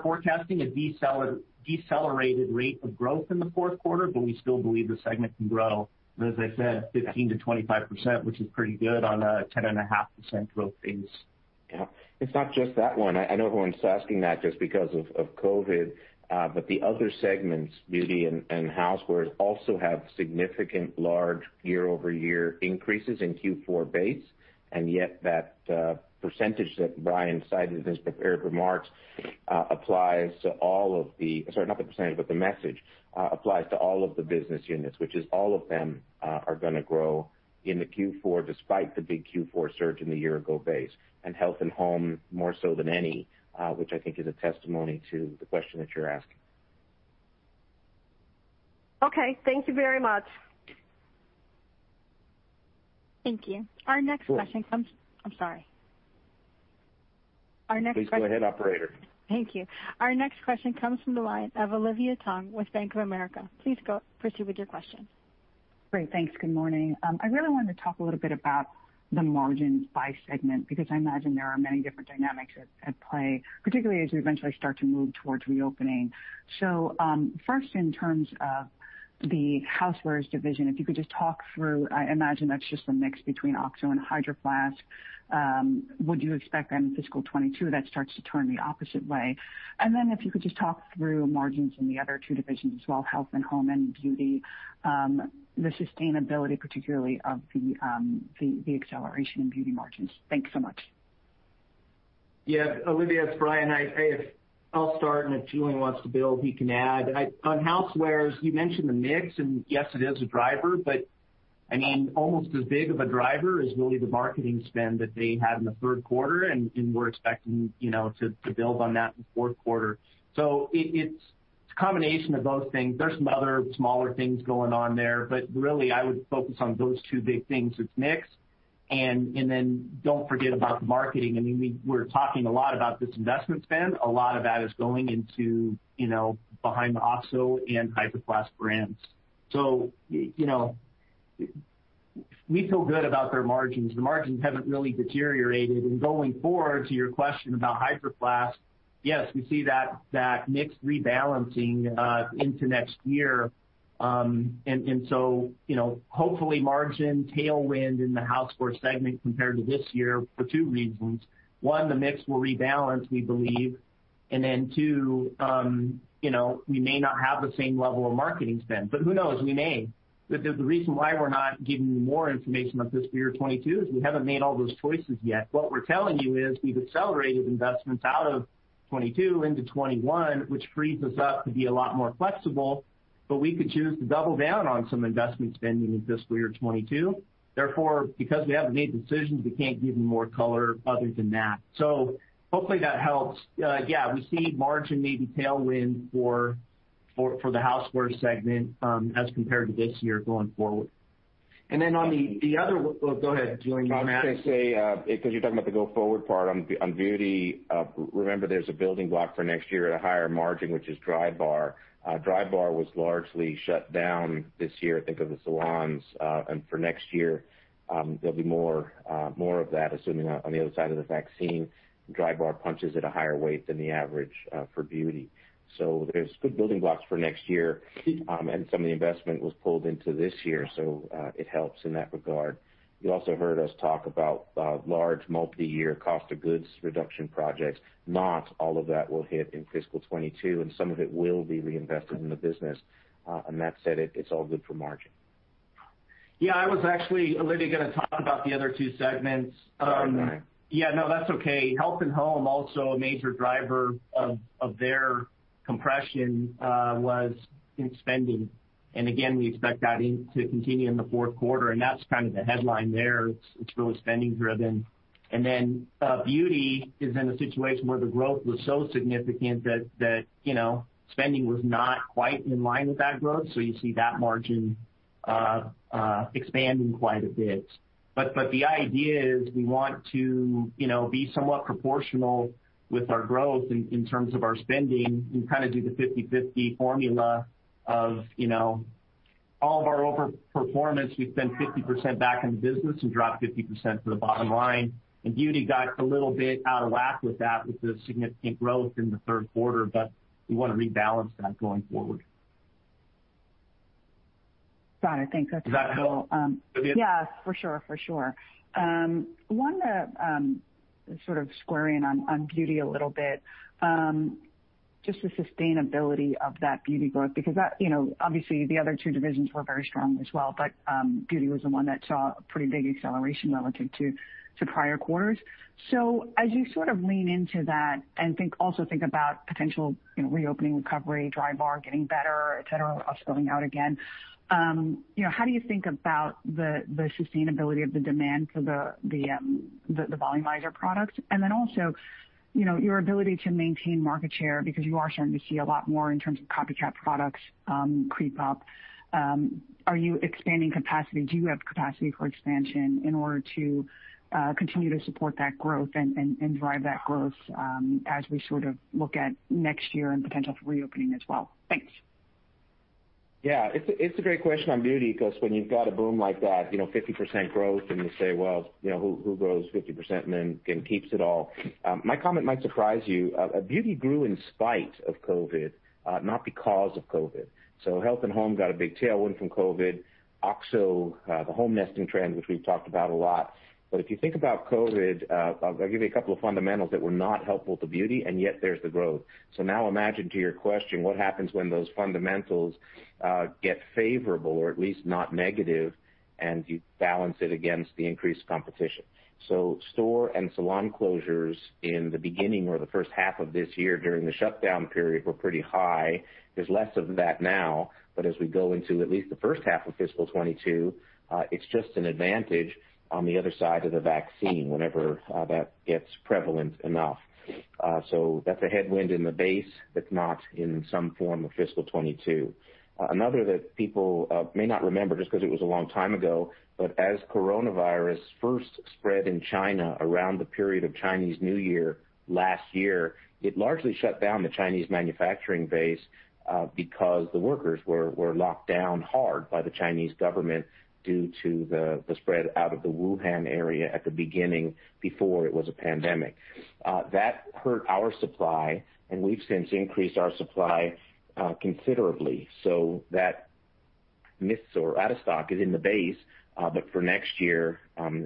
forecasting a decelerated rate of growth in the fourth quarter, but we still believe the segment can grow, as I said, 15%-25%, which is pretty good on a 10.5% growth base. Yeah. It's not just that one. I know everyone's asking that just because of COVID-19. The other segments, Beauty and Housewares, also have significant large year-over-year increases in Q4 base. Yet that percentage that Brian cited in his prepared remarks, sorry, not the percentage, but the message, applies to all of the business units, which is all of them are going to grow into Q4 despite the big Q4 surge in the year-ago base, and Health and Home more so than any, which I think is a testimony to the question that you're asking. Okay. Thank you very much. Thank you. Our next question comes. Sure. I'm sorry. Please go ahead, operator. Thank you. Our next question comes from the line of Olivia Tong with Bank of America. Please proceed with your question. Great. Thanks. Good morning. I really wanted to talk a little bit about the margins by segment because I imagine there are many different dynamics at play, particularly as we eventually start to move towards reopening. First in terms of the housewares division, if you could just talk through, I imagine that's just a mix between OXO and Hydro Flask. Would you expect then in fiscal 2022 that starts to turn the opposite way? If you could just talk through margins in the other two divisions as well, Health and Home and Beauty, the sustainability particularly of the acceleration in Beauty margins. Thanks so much. Yeah. Olivia, it's Brian. I'll start, and if Julien wants to build, he can add. On housewares, you mentioned the mix, yes, it is a driver, almost as big of a driver is really the marketing spend that they had in the third quarter, we're expecting to build on that in the fourth quarter. It's a combination of those things. There's some other smaller things going on there, really I would focus on those two big things. It's mix, don't forget about marketing. We're talking a lot about this investment spend. A lot of that is going into behind the OXO and Hydro Flask brands. You know, we feel good about their margins. The margins haven't really deteriorated. Going forward, to your question about Hydro Flask, yes, we see that mix rebalancing into next year. Hopefully margin tailwind in the Housewares segment compared to this year for two reasons. One, the mix will rebalance, we believe, two, we may not have the same level of marketing spend, but who knows? We may. The reason why we're not giving you more information on fiscal year 2022 is we haven't made all those choices yet. What we're telling you is we've accelerated investments out of 2022 into 2021, which frees us up to be a lot more flexible, we could choose to double down on some investment spending in fiscal year 2022. Because we haven't made the decisions, we can't give you more color other than that. Hopefully that helps. Yeah, we see margin maybe tailwind for the Housewares segment as compared to this year going forward. On the other, Julien, you were going to add? I was going to say, because you're talking about the go forward part on beauty, remember there's a building block for next year at a higher margin, which is Drybar. Drybar was largely shut down this year, think of the salons. For next year, there'll be more of that, assuming on the other side of the vaccine. Drybar punches at a higher weight than the average for beauty. There's good building blocks for next year. Some of the investment was pulled into this year, so it helps in that regard. You also heard us talk about large multi-year cost of goods reduction projects. Not all of that will hit in fiscal 2022, and some of it will be reinvested in the business. That said, it's all good for margin. Yeah, I was actually literally going to talk about the other two segments. Sorry, go ahead. Yeah, no, that's okay. Health and Home, also a major driver of their compression was in spending. Again, we expect that to continue in the fourth quarter, and that's kind of the headline there. It's really spending driven. Beauty is in a situation where the growth was so significant that spending was not quite in line with that growth, so you see that margin expanding quite a bit. The idea is we want to be somewhat proportional with our growth in terms of our spending and kind of do the 50/50 formula of all of our over-performance, we spend 50% back in the business and drop 50% to the bottom line. Beauty got a little bit out of whack with that, with the significant growth in the third quarter. We want to rebalance that going forward. Got it. Thanks. That's helpful. Does that help, Olivia? Yeah, for sure. I wanted to sort of square in on Beauty a little bit. The sustainability of that Beauty growth, because obviously the other two divisions were very strong as well, but Beauty was the one that saw a pretty big acceleration relative to prior quarters. As you sort of lean into that and also think about potential reopening recovery, Drybar getting better, et cetera, us going out again, how do you think about the sustainability of the demand for the volumizer products? Also, your ability to maintain market share because you are starting to see a lot more in terms of copycat products creep up. Are you expanding capacity? Do you have capacity for expansion in order to continue to support that growth and drive that growth as we sort of look at next year and potential for reopening as well? Thanks. Yeah, it's a great question on Beauty, because when you've got a boom like that, 50% growth and you say, "Well, who grows 50% and then keeps it all?" My comment might surprise you. Beauty grew in spite of COVID, not because of COVID. Health and Home got a big tailwind from COVID. Also, the home nesting trend, which we've talked about a lot. If you think about COVID, I'll give you a couple of fundamentals that were not helpful to Beauty, and yet there's the growth. Now imagine to your question, what happens when those fundamentals get favorable or at least not negative, and you balance it against the increased competition. Store and salon closures in the beginning or the first half of this year during the shutdown period were pretty high. There's less of that now, as we go into at least the first half of fiscal 2022, it's just an advantage on the other side of the vaccine whenever that gets prevalent enough. That's a headwind in the base, but not in some form of fiscal 2022. Another that people may not remember just because it was a long time ago, but as coronavirus first spread in China around the period of Chinese New Year last year, it largely shut down the Chinese manufacturing base because the workers were locked down hard by the Chinese government due to the spread out of the Wuhan area at the beginning before it was a pandemic. That hurt our supply and we've since increased our supply considerably. That miss or out of stock is in the base. For next year,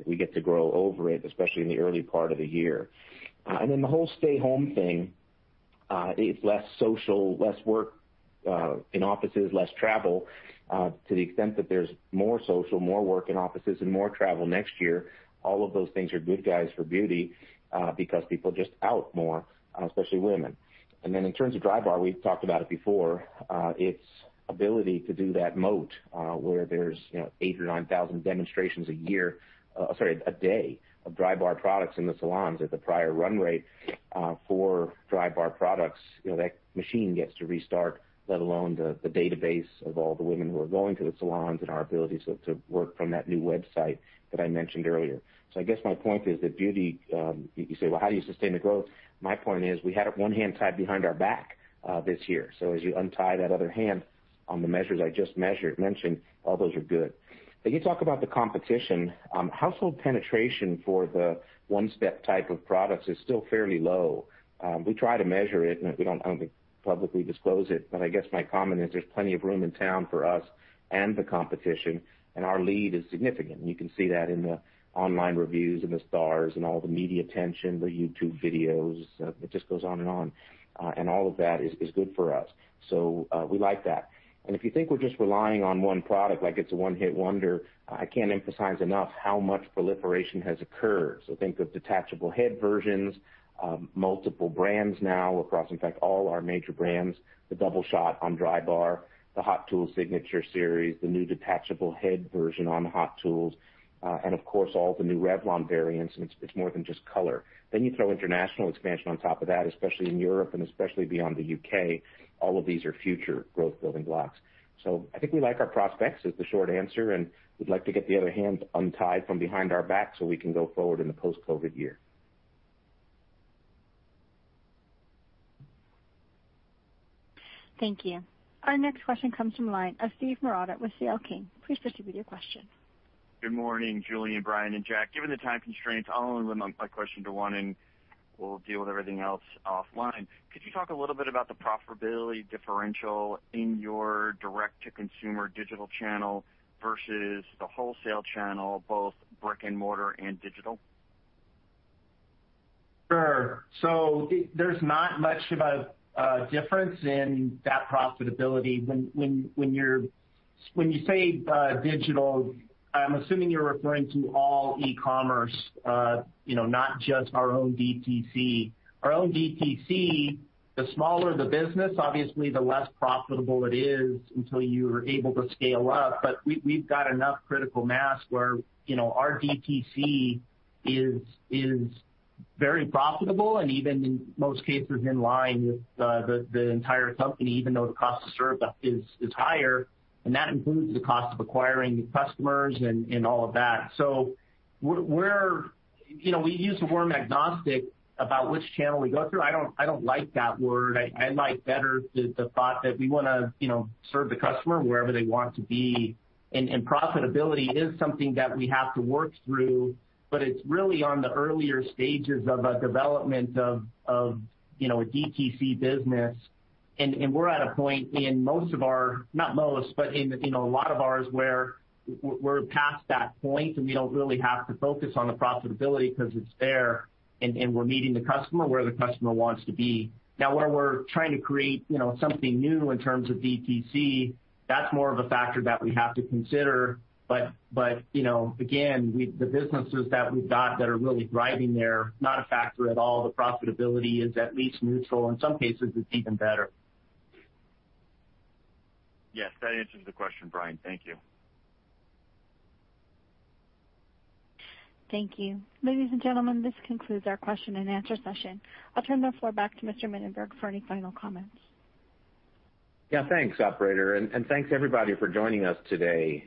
we get to grow over it, especially in the early part of the year. Then the whole stay home thing. It's less social, less work in offices, less travel. To the extent that there's more social, more work in offices, and more travel next year, all of those things are good guys for beauty because people are just out more, especially women. Then in terms of Drybar, we've talked about it before. Its ability to do that moat where there's 8,000 or 9,000 demonstrations a day of Drybar Products in the salons at the prior run rate for Drybar Products. That machine gets to restart, let alone the database of all the women who are going to the salons and our ability to work from that new website that I mentioned earlier. I guess my point is that beauty, you say, "Well, how do you sustain the growth?" My point is we had one hand tied behind our back this year. As you untie that other hand on the measures I just mentioned, all those are good. You talk about the competition. Household penetration for the One-Step type of products is still fairly low. We try to measure it, and we don't publicly disclose it, but I guess my comment is there's plenty of room in town for us and the competition, and our lead is significant. You can see that in the online reviews and the stars and all the media attention, the YouTube videos. It just goes on and on. All of that is good for us. We like that. If you think we're just relying on one product like it's a one-hit wonder, I can't emphasize enough how much proliferation has occurred. Think of detachable head versions, multiple brands now across, in fact, all our major brands, the Double Shot on Drybar, the Hot Tools Signature Series, the new detachable head version on Hot Tools, and of course, all the new Revlon variants, and it's more than just color. You throw international expansion on top of that, especially in Europe and especially beyond the U.K. All of these are future growth building blocks. I think we like our prospects is the short answer, and we'd like to get the other hand untied from behind our back so we can go forward in the post-COVID year. Thank you. Our next question comes from the line of Steve Marotta with C.L. King. Please proceed with your question. Good morning, Julien, Brian, and Jack. Given the time constraints, I'll only limit my question to one, and we'll deal with everything else offline. Could you talk a little bit about the profitability differential in your direct-to-consumer digital channel versus the wholesale channel, both brick and mortar and digital? Sure. There's not much of a difference in that profitability. When you say digital, I'm assuming you're referring to all e-commerce, not just our own DTC. Our own DTC, the smaller the business, obviously the less profitable it is until you are able to scale up. We've got enough critical mass where our DTC is very profitable and even in most cases in line with the entire company, even though the cost to serve is higher, and that includes the cost of acquiring the customers and all of that. We use the word agnostic about which channel we go through. I don't like that word. I like better the thought that we want to serve the customer wherever they want to be. Profitability is something that we have to work through, but it's really on the earlier stages of a development of a DTC business. We're at a point in not most, but in a lot of ours, where we're past that point, and we don't really have to focus on the profitability because it's there, and we're meeting the customer where the customer wants to be. Where we're trying to create something new in terms of DTC, that's more of a factor that we have to consider. Again, the businesses that we've got that are really driving there, not a factor at all. The profitability is at least neutral. In some cases, it's even better. Yes. That answers the question, Brian. Thank you. Thank you. Ladies and gentlemen, this concludes our question and answer session. I'll turn the floor back to Mr. Mininberg for any final comments. Thanks, operator, and thanks, everybody, for joining us today.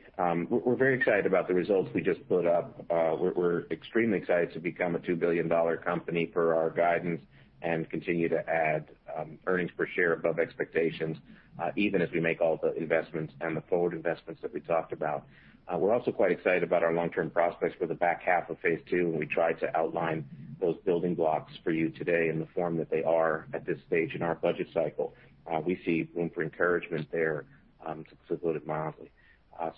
We're very excited about the results we just put up. We're extremely excited to become a $2 billion company for our guidance and continue to add earnings per share above expectations, even as we make all the investments and the forward investments that we talked about. We're also quite excited about our long-term prospects for the back half of phase two, and we tried to outline those building blocks for you today in the form that they are at this stage in our budget cycle. We see room for encouragement there to put it mildly.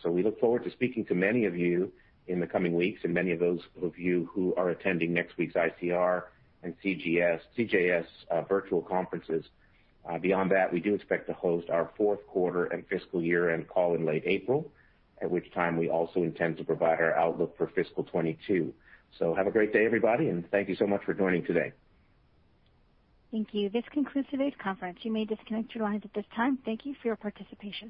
We look forward to speaking to many of you in the coming weeks and many of those of you who are attending next week's ICR and CJS virtual conferences. Beyond that, we do expect to host our fourth quarter and fiscal year-end call in late April, at which time we also intend to provide our outlook for fiscal 2022. Have a great day, everybody, and thank you so much for joining today. Thank you. This concludes today's conference. You may disconnect your lines at this time. Thank you for your participation.